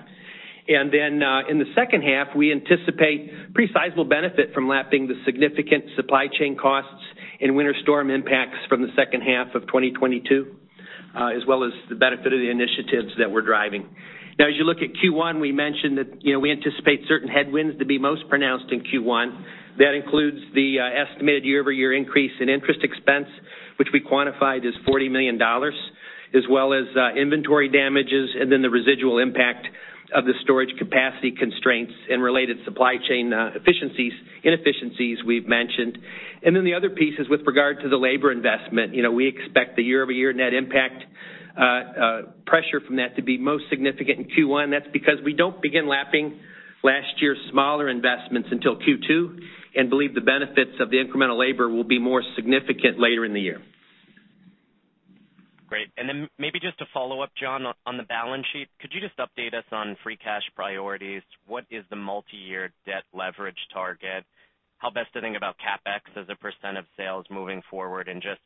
In the second half, we anticipate pretty sizable benefit from lapping the significant supply chain costs and Winter Storm impacts from the second half of 2022, as well as the benefit of the initiatives that we're driving. As you look at Q1, we mentioned that, you know, we anticipate certain headwinds to be most pronounced in Q1. That includes the estimated year-over-year increase in interest expense, which we quantified as $40 million, as well as inventory damages, and then the residual impact of the storage capacity constraints and related supply chain inefficiencies we've mentioned. The other piece is with regard to the labor investment. You know, we expect the year-over-year net impact pressure from that to be most significant in Q1. That's because we don't begin lapping last year's smaller investments until Q2 and believe the benefits of the incremental labor will be more significant later in the year. Great. Maybe just a follow-up, John, on the balance sheet. Could you just update us on free cash priorities? What is the multi-year debt leverage target? How best to think about CapEx as a percentage of sales moving forward and just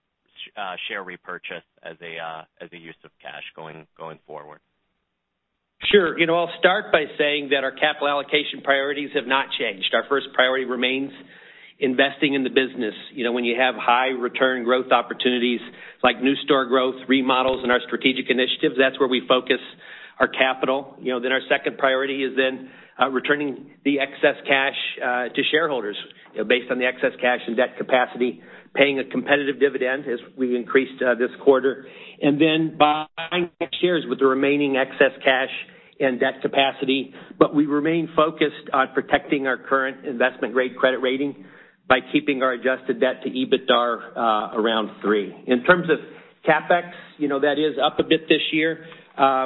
share repurchase as a use of cash going forward? Sure. You know, I'll start by saying that our capital allocation priorities have not changed. Our first priority remains investing in the business. You know, when you have high return growth opportunities like new store growth, remodels, and our strategic initiatives, that's where we focus our capital. You know, then our second priority is then returning the excess cash to shareholders based on the excess cash and debt capacity, paying a competitive dividend as we increased this quarter, and then buying back shares with the remaining excess cash and debt capacity. We remain focused on protecting our current investment-grade credit rating. By keeping our adjusted debt to EBITDAR around three. In terms of CapEx, you know, that is up a bit this year.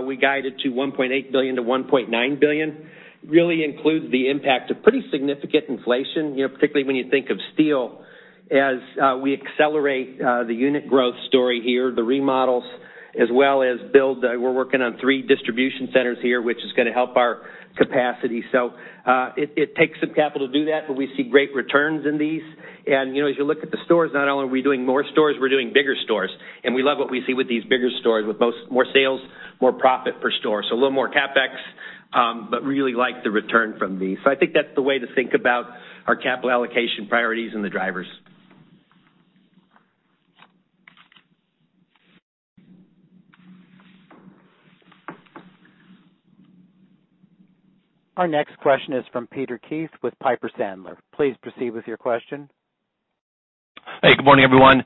We guided to $1.8 billion-$1.9 billion. Really includes the impact of pretty significant inflation, you know, particularly when you think of steel as we accelerate the unit growth story here, the remodels as well as build. We're working on three distribution centers here, which is gonna help our capacity. It takes some capital to do that, but we see great returns in these. You know, as you look at the stores, not only are we doing more stores, we're doing bigger stores. We love what we see with these bigger stores with both more sales, more profit per store. A little more CapEx, but really like the return from these. I think that's the way to think about our capital allocation priorities and the drivers. Our next question is from Peter Keith with Piper Sandler. Please proceed with your question. Hey, good morning, everyone.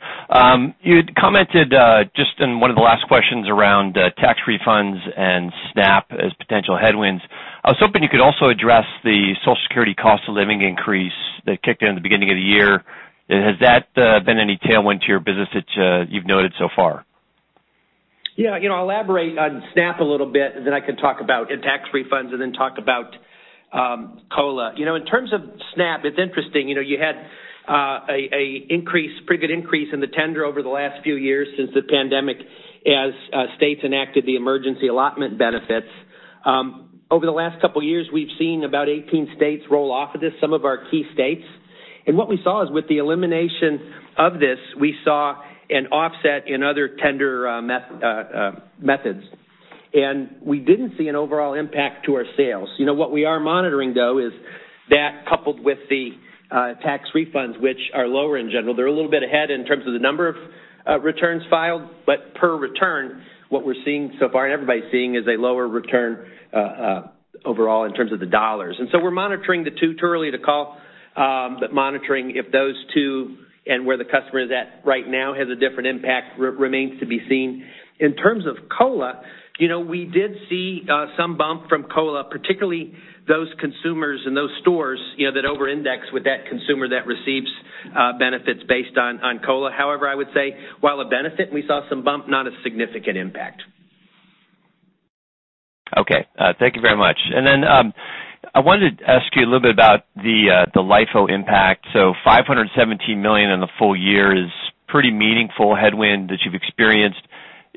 You had commented, just in one of the last questions around tax refunds and SNAP as potential headwinds. I was hoping you could also address the Social Security cost of living increase that kicked in at the beginning of the year. Has that been any tailwind to your business that you've noted so far? Yeah, you know, I'll elaborate on SNAP a little bit, and then I can talk about tax refunds and then talk about COLA. You know, in terms of SNAP, it's interesting. You know, you had a increase, pretty good increase in the tender over the last few years since the pandemic as states enacted the emergency allotment benefits. Over the last couple of years, we've seen about 18 states roll off of this, some of our key states. What we saw is, with the elimination of this, we saw an offset in other tender methods. We didn't see an overall impact to our sales. You know, what we are monitoring, though, is that coupled with the tax refunds, which are lower in general. They're a little bit ahead in terms of the number of returns filed, but per return, what we're seeing so far and everybody's seeing is a lower return overall in terms of the dollar. We're monitoring the two. Too early to call, but monitoring if those two and where the customer is at right now has a different impact remains to be seen. In terms of COLA, you know, we did see some bump from COLA, particularly those consumers in those stores, you know, that over-index with that consumer that receives benefits based on COLA. I would say, while a benefit, we saw some bump, not a significant impact. Okay, thank you very much. I wanted to ask you a little bit about the LIFO impact. $517 million in the full year is pretty meaningful headwind that you've experienced.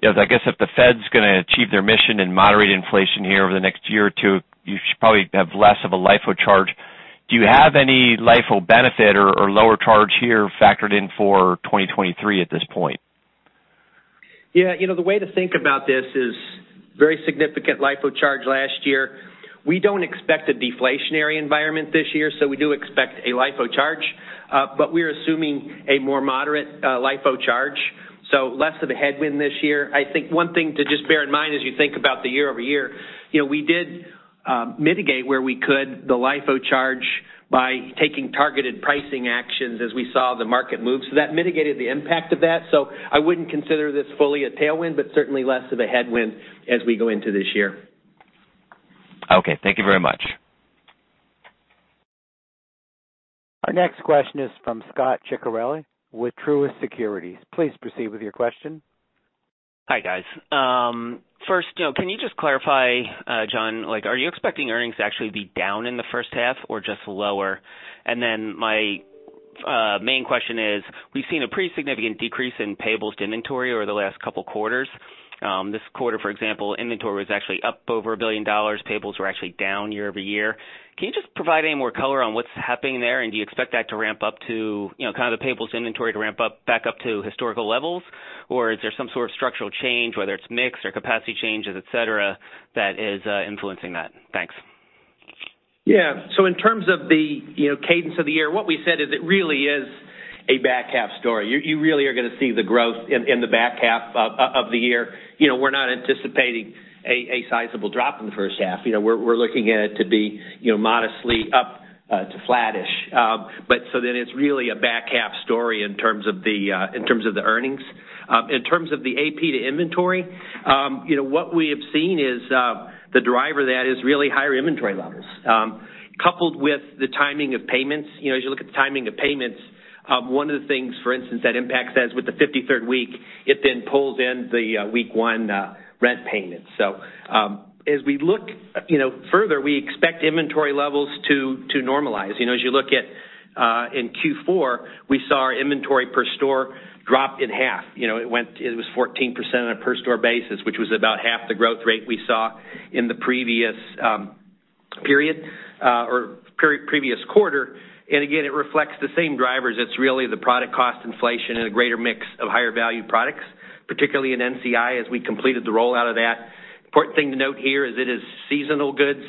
I guess if the Fed's gonna achieve their mission and moderate inflation here over the next year or two, you should probably have less of a LIFO charge. Do you have any LIFO benefit or lower charge here factored in for 2023 at this point? Yeah, you know, the way to think about this is very significant LIFO charge last year. We don't expect a deflationary environment this year, so we do expect a LIFO charge, but we're assuming a more moderate LIFO charge, so less of a headwind this year. I think one thing to just bear in mind as you think about the year-over-year, you know, we did mitigate where we could the LIFO charge by taking targeted pricing actions as we saw the market move. That mitigated the impact of that. I wouldn't consider this fully a tailwind, but certainly less of a headwind as we go into this year. Okay, thank you very much. Our next question is from Scot Ciccarelli with Truist Securities. Please proceed with your question. Hi, guys. First, can you just clarify, John, like, are you expecting earnings to actually be down in the first half or just lower? Then my main question is, we've seen a pretty significant decrease in payables inventory over the last couple quarters. This quarter, for example, inventory was actually up over $1 billion. Payables were actually down year-over-year. Can you just provide any more color on what's happening there? Do you expect that to ramp up to, you know, kind of the payables inventory to ramp up back up to historical levels? Or is there some sort of structural change, whether it's mix or capacity changes, et cetera, that is influencing that? Thanks. Yeah. In terms of the, you know, cadence of the year, what we said is it really is a back half story. You really are gonna see the growth in the back half of the year. You know, we're not anticipating a sizable drop in the first half. You know, we're looking at it to be, you know, modestly up to flattish. It's really a back half story in terms of the earnings. In terms of the AP to inventory, you know, what we have seen is the driver that is really higher inventory levels coupled with the timing of payments. You know, as you look at the timing of payments, one of the things, for instance, that impacts that is with the 53rd week, it then pulls in the week 1 rent payment. As we look, you know, further, we expect inventory levels to normalize. You know, as you look at in Q4, we saw our inventory per store drop in half. You know, it was 14% on a per store basis, which was about half the growth rate we saw in the previous period or pre-previous quarter. Again, it reflects the same drivers. It's really the product cost inflation and a greater mix of higher value products, particularly in NCI, as we completed the rollout of that. Important thing to note here is it is seasonal goods.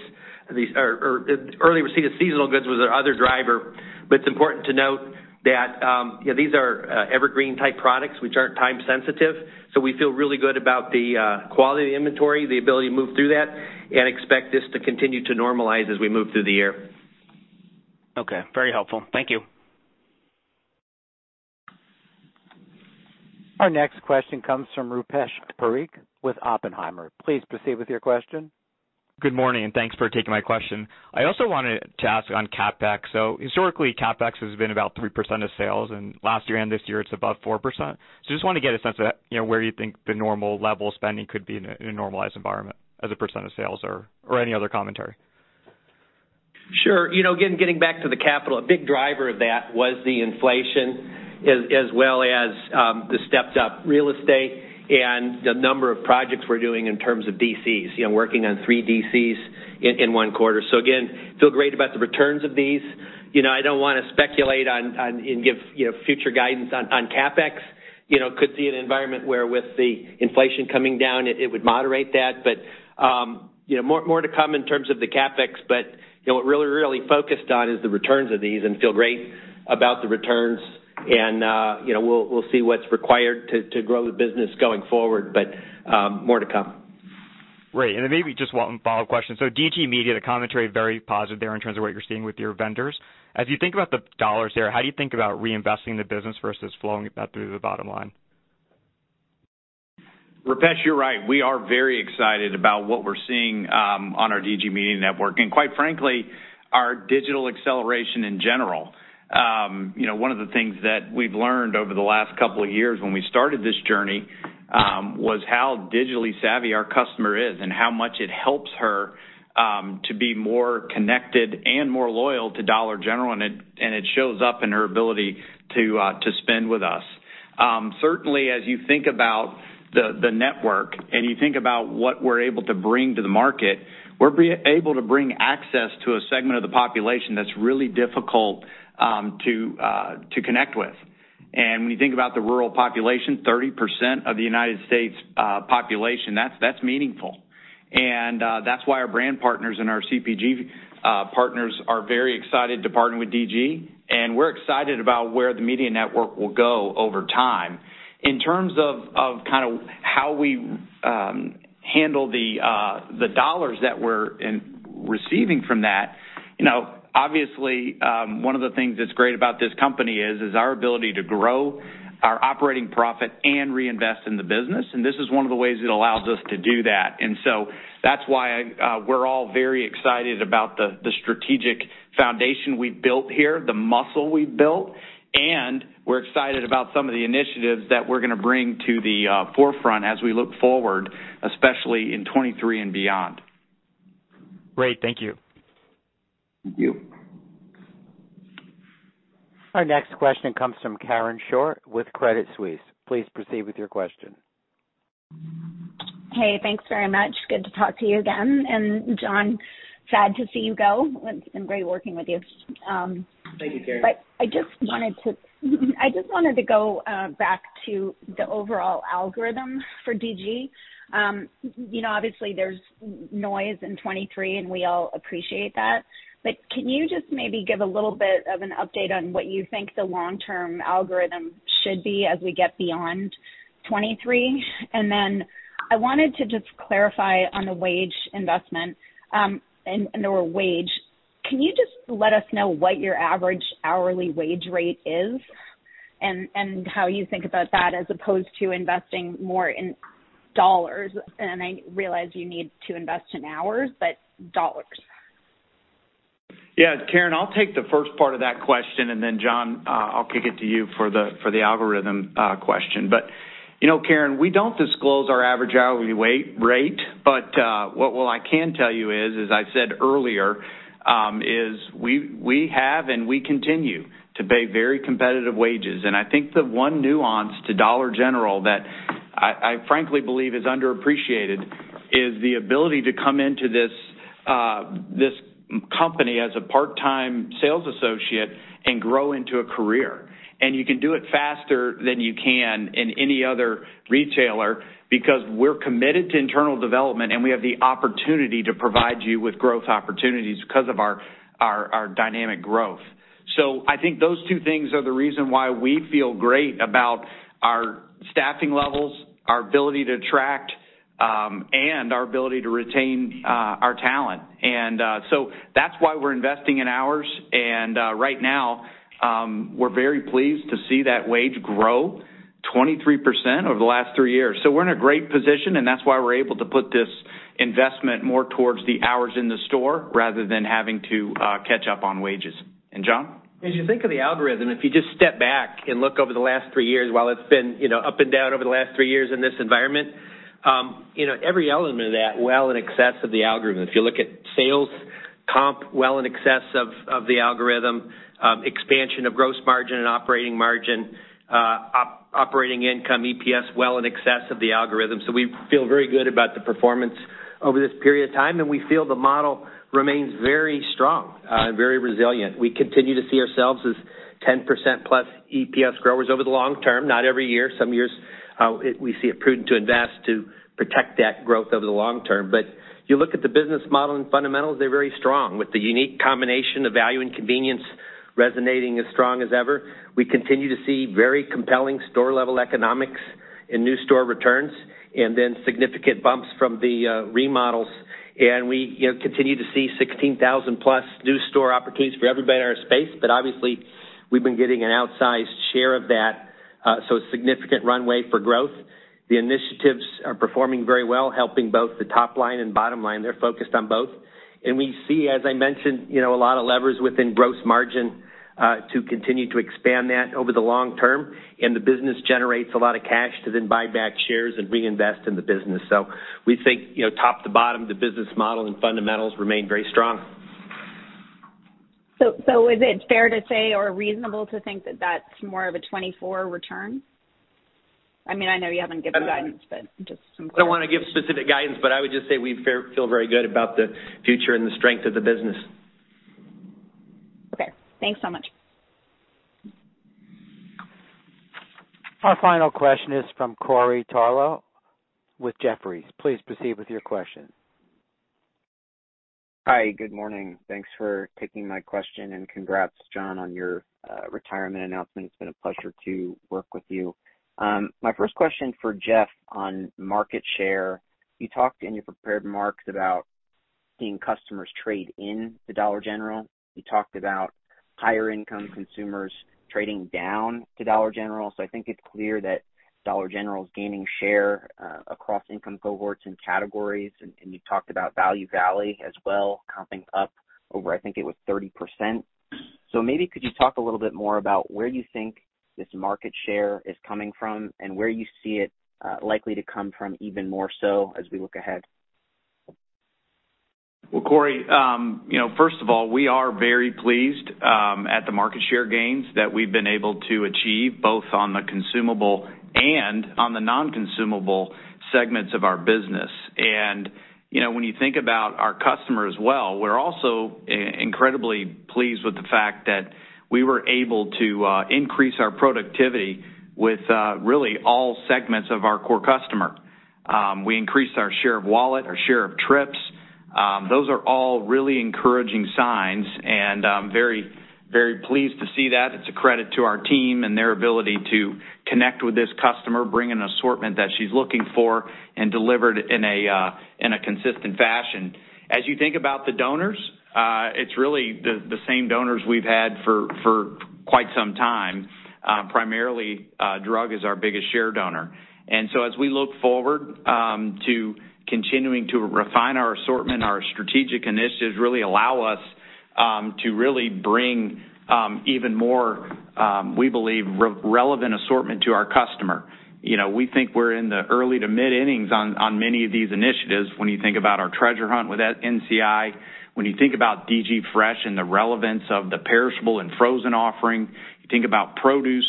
These or early received seasonal goods was our other driver. It's important to note that these are evergreen type products which aren't time sensitive. We feel really good about the quality of the inventory, the ability to move through that, and expect this to continue to normalize as we move through the year. Okay, very helpful. Thank you. Our next question comes from Rupesh Parikh with Oppenheimer. Please proceed with your question. Good morning, thanks for taking my question. I also wanted to ask on CapEx. Historically, CapEx has been about 3% of sales, and last year and this year it's above 4%. Just wanna get a sense of, you know, where you think the normal level of spending could be in a, in a normalized environment as a percentage of sales or any other commentary. Sure. You know, again, getting back to the capital, a big driver of that was the inflation as well as the stepped-up real estate and the number of projects we're doing in terms of DCs. You know, working on three DCs in one quarter. Again, feel great about the returns of these. You know, I don't wanna speculate on and give, you know, future guidance on CapEx. You know, could see an environment where with the inflation coming down, it would moderate that. You know, more to come in terms of the CapEx, but you know, what we're really focused on is the returns of these and feel great about the returns and you know, we'll see what's required to grow the business going forward, but more to come. Great. Maybe just one follow-up question. DG Media, the commentary very positive there in terms of what you're seeing with your vendors. As you think about the dollars there, how do you think about reinvesting the business versus flowing that through the bottom line? Rupesh, you're right. We are very excited about what we're seeing on our DG Media Network, and quite frankly, our digital acceleration in general. You know, one of the things that we've learned over the last couple of years when we started this journey, was how digitally savvy our customer is and how much it helps her to be more connected and more loyal to Dollar General, and it shows up in her ability to spend with us. Certainly as you think about the network and you think about what we're able to bring to the market, we're able to bring access to a segment of the population that's really difficult to connect with. When you think about the rural population, 30% of the United States population, that's meaningful. That's why our brand partners and our CPG partners are very excited to partner with DG, and we're excited about where the DG Media Network will go over time. In terms of kind of how we handle the dollars that we're receiving from that, you know, obviously, one of the things that's great about this company is our ability to grow our operating profit and reinvest in the business, and this is one of the ways it allows us to do that. That's why we're all very excited about the strategic foundation we've built here, the muscle we've built, and we're excited about some of the initiatives that we're gonna bring to the forefront as we look forward, especially in 2023 and beyond. Great. Thank you. Thank you. Our next question comes from Karen Short with Credit Suisse. Please proceed with your question. Hey, thanks very much. Good to talk to you again. John, sad to see you go. It's been great working with you. Thank you, Karen. I just wanted to go back to the overall algorithm for DG. You know, obviously there's noise in 2023, and we all appreciate that. Can you just maybe give a little bit of an update on what you think the long-term algorithm should be as we get beyond 2023? I wanted to just clarify on the wage investment and the wage. Can you just let us know what your average hourly wage rate is and how you think about that as opposed to investing more in dollars? I realize you need to invest in hours, but dollars. Yeah. Karen, I'll take the first part of that question. Then John, I'll kick it to you for the, for the algorithm question. You know, Karen, we don't disclose our average hourly rate, but what I can tell you is, as I said earlier, is we have and we continue to pay very competitive wages. I think the one nuance to Dollar General that I frankly believe is underappreciated is the ability to come into this company as a part-time sales associate and grow into a career. You can do it faster than you can in any other retailer because we're committed to internal development, and we have the opportunity to provide you with growth opportunities because of our dynamic growth. I think those two things are the reason why we feel great about our staffing levels, our ability to attract, and our ability to retain our talent. That's why we're investing in hours. Right now, we're very pleased to see that wage grow 23% over the last three years. We're in a great position, and that's why we're able to put this investment more towards the hours in the store rather than having to catch up on wages. John. As you think of the algorithm, if you just step back and look over the last three years, while it's been, you know, up and down over the last three years in this environment, you know, every element of that well in excess of the algorithm. If you look at sales, comp well in excess of the algorithm, expansion of gross margin and operating margin, operating income, EPS well in excess of the algorithm. We feel very good about the performance over this period of time, and we feel the model remains very strong and very resilient. We continue to see ourselves as 10%+ EPS growers over the long term, not every year. Some years, we see it prudent to invest to protect that growth over the long term. You look at the business model and fundamentals, they're very strong. With the unique combination of value and convenience resonating as strong as ever, we continue to see very compelling store-level economics in new store returns and then significant bumps from the remodel. And we, you know, continue to see 16,000+ new store opportunities for everybody in our space. Obviously, we've been getting an outsized share of that, so significant runway for growth. The initiatives are performing very well, helping both the top line and bottom line. They're focused on both. We see, as I mentioned, you know, a lot of levers within gross margin, to continue to expand that over the long term. The business generates a lot of cash to then buy back shares and reinvest in the business. We think, you know, top to bottom, the business model and fundamentals remain very strong. Is it fair to say or reasonable to think that that's more of a 24 return? I mean, I know you haven't given guidance, but just. I don't wanna give specific guidance, but I would just say we feel very good about the future and the strength of the business. Okay. Thanks so much. Our final question is from Corey Tarlowe with Jefferies. Please proceed with your question. Hi, good morning. Thanks for taking my question, and congrats, John, on your retirement announcement. It's been a pleasure to work with you. My first question for Jeff on market share. You talked in your prepared remarks about seeing customers trade in to Dollar General. You talked about higher income consumers trading down to Dollar General. I think it's clear that Dollar General is gaining share across income cohorts and categories, and you talked about Value Valley as well, comping up over, I think it was 30%. Maybe could you talk a little bit more about where you think this market share is coming from and where you see it likely to come from even more so as we look ahead? Well, Corey Tarlowe, you know, first of all, we are very pleased at the market share gains that we've been able to achieve, both on the consumable and on the non-consumable segments of our business. You know, when you think about our customer as well, we're also incredibly pleased with the fact that we were able to increase our productivity with really all segments of our core customer. We increased our share of wallet, our share of trips. Those are all really encouraging signs, and I'm very, very pleased to see that. It's a credit to our team and their ability to connect with this customer, bring an assortment that she's looking for and delivered in a consistent fashion. As you think about the donors, it's really the same donors we've had for quite some time. Primarily, drug is our biggest share donor. As we look forward, to continuing to refine our assortment, our strategic initiatives really allow us to really bring even more, we believe, re-relevant assortment to our customer. You know, we think we're in the early to mid-innings on many of these initiatives when you think about our treasure hunt with NCI, when you think about DG Fresh and the relevance of the perishable and frozen offering, you think about produce.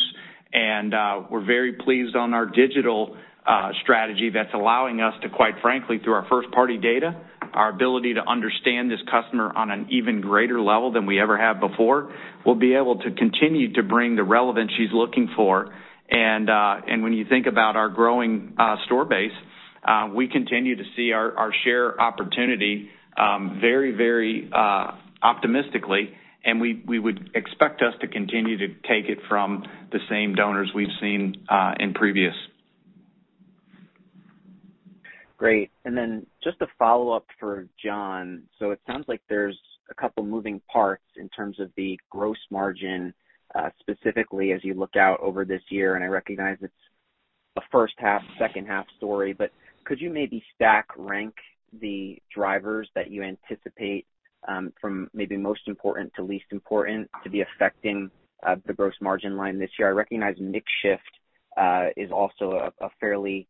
We're very pleased on our digital strategy that's allowing us to, quite frankly, through our first-party data, our ability to understand this customer on an even greater level than we ever have before. We'll be able to continue to bring the relevance she's looking for. When you think about our growing store base, we continue to see our share opportunity, very optimistically, and we would expect us to continue to take it from the same donors we've seen in previous. Great. Just a follow-up for John. It sounds like there's a couple moving parts in terms of the gross margin, specifically as you look out over this year, and I recognize it's a first half, second half story, but could you maybe stack rank the drivers that you anticipate, from maybe most important to least important to be affecting, the gross margin line this year? I recognize mix shift is also a fairly,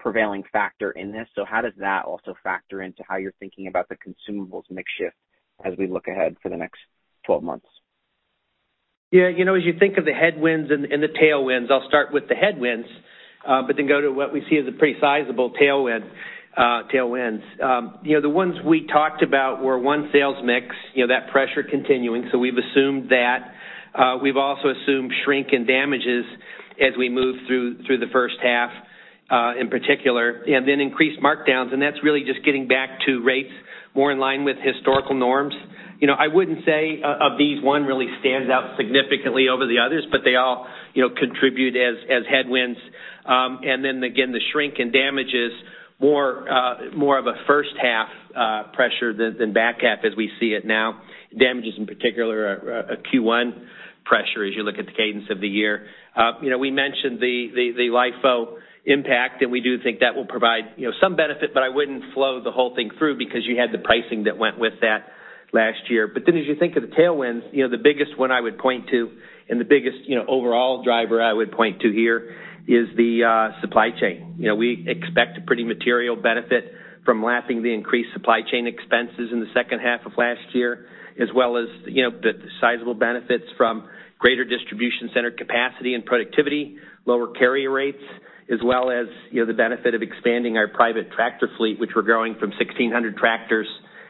prevailing factor in this. How does that also factor into how you're thinking about the consumables mix shift as we look ahead for the next 12 months? Yeah, you know, as you think of the headwinds and the tailwinds, I'll start with the headwinds, but then go to what we see as a pretty sizable tailwind, tailwinds. You know, the ones we talked about were one sales mix, you know, that pressure continuing. We've assumed that. We've also assumed shrink in damages as we move through the first half, in particular, and then increased markdowns, and that's really just getting back to rates more in line with historical norms. You know, I wouldn't say of these one really stands out significantly over the others, but they all, you know, contribute as headwinds. Again, the shrink and damage is more of a first half pressure than back half as we see it now. Damages in particular are a Q1 pressure as you look at the cadence of the year. You know, we mentioned the LIFO impact, and we do think that will provide, you know, some benefit, but I wouldn't flow the whole thing through because you had the pricing that went with that last year. As you think of the tailwinds, you know, the biggest one I would point to and the biggest, you know, overall driver I would point to here is the supply chain. You know, we expect a pretty material benefit from lapping the increased supply chain expenses in the second half of last year, as well as, you know, the sizable benefits from greater distribution center capacity and productivity, lower carrier rates, as well as, you know, the benefit of expanding our private tractor fleet, which we're growing from 1,600 tractors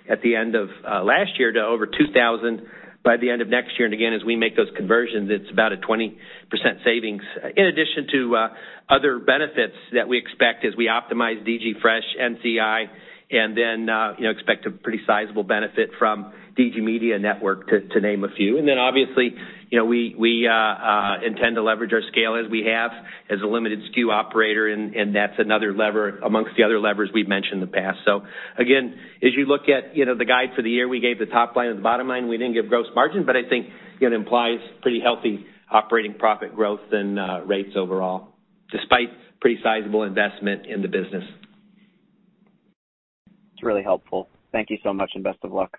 at the end of last year to over 2,000 by the end of next year. Again, as we make those conversions, it's about a 20% savings. In addition to other benefits that we expect as we optimize DG Fresh, NCI, and then, you know, expect a pretty sizable benefit from DG Media Network, to name a few. Obviously, you know, we intend to leverage our scale as we have as a limited SKU operator, and that's another lever amongst the other levers we've mentioned in the past. Again, as you look at, you know, the guide for the year, we gave the top line and the bottom line. We didn't give gross margin, but I think it implies pretty healthy operating profit growth and rates overall, despite pretty sizable investment in the business. It's really helpful. Thank you so much. Best of luck.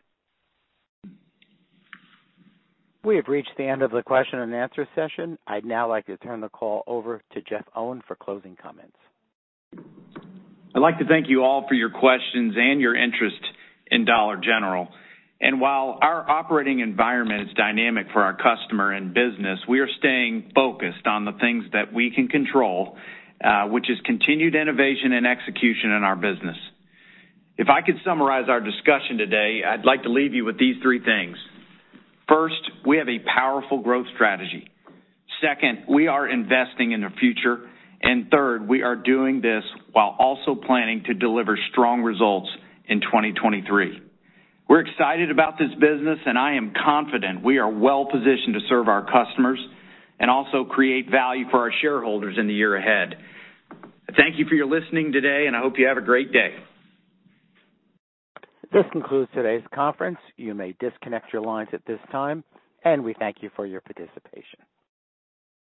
We have reached the end of the question-and-answer session. I'd now like to turn the call over to Jeff Owen for closing comments. I'd like to thank you all for your questions and your interest in Dollar General. While our operating environment is dynamic for our customer and business, we are staying focused on the things that we can control, which is continued innovation and execution in our business. If I could summarize our discussion today, I'd like to leave you with these three things. First, we have a powerful growth strategy. Second, we are investing in the future. Third, we are doing this while also planning to deliver strong results in 2023. We're excited about this business, and I am confident we are well-positioned to serve our customers and also create value for our shareholders in the year ahead. Thank you for your listening today, and I hope you have a great day. This concludes today's conference. You may disconnect your lines at this time. We thank you for your participation.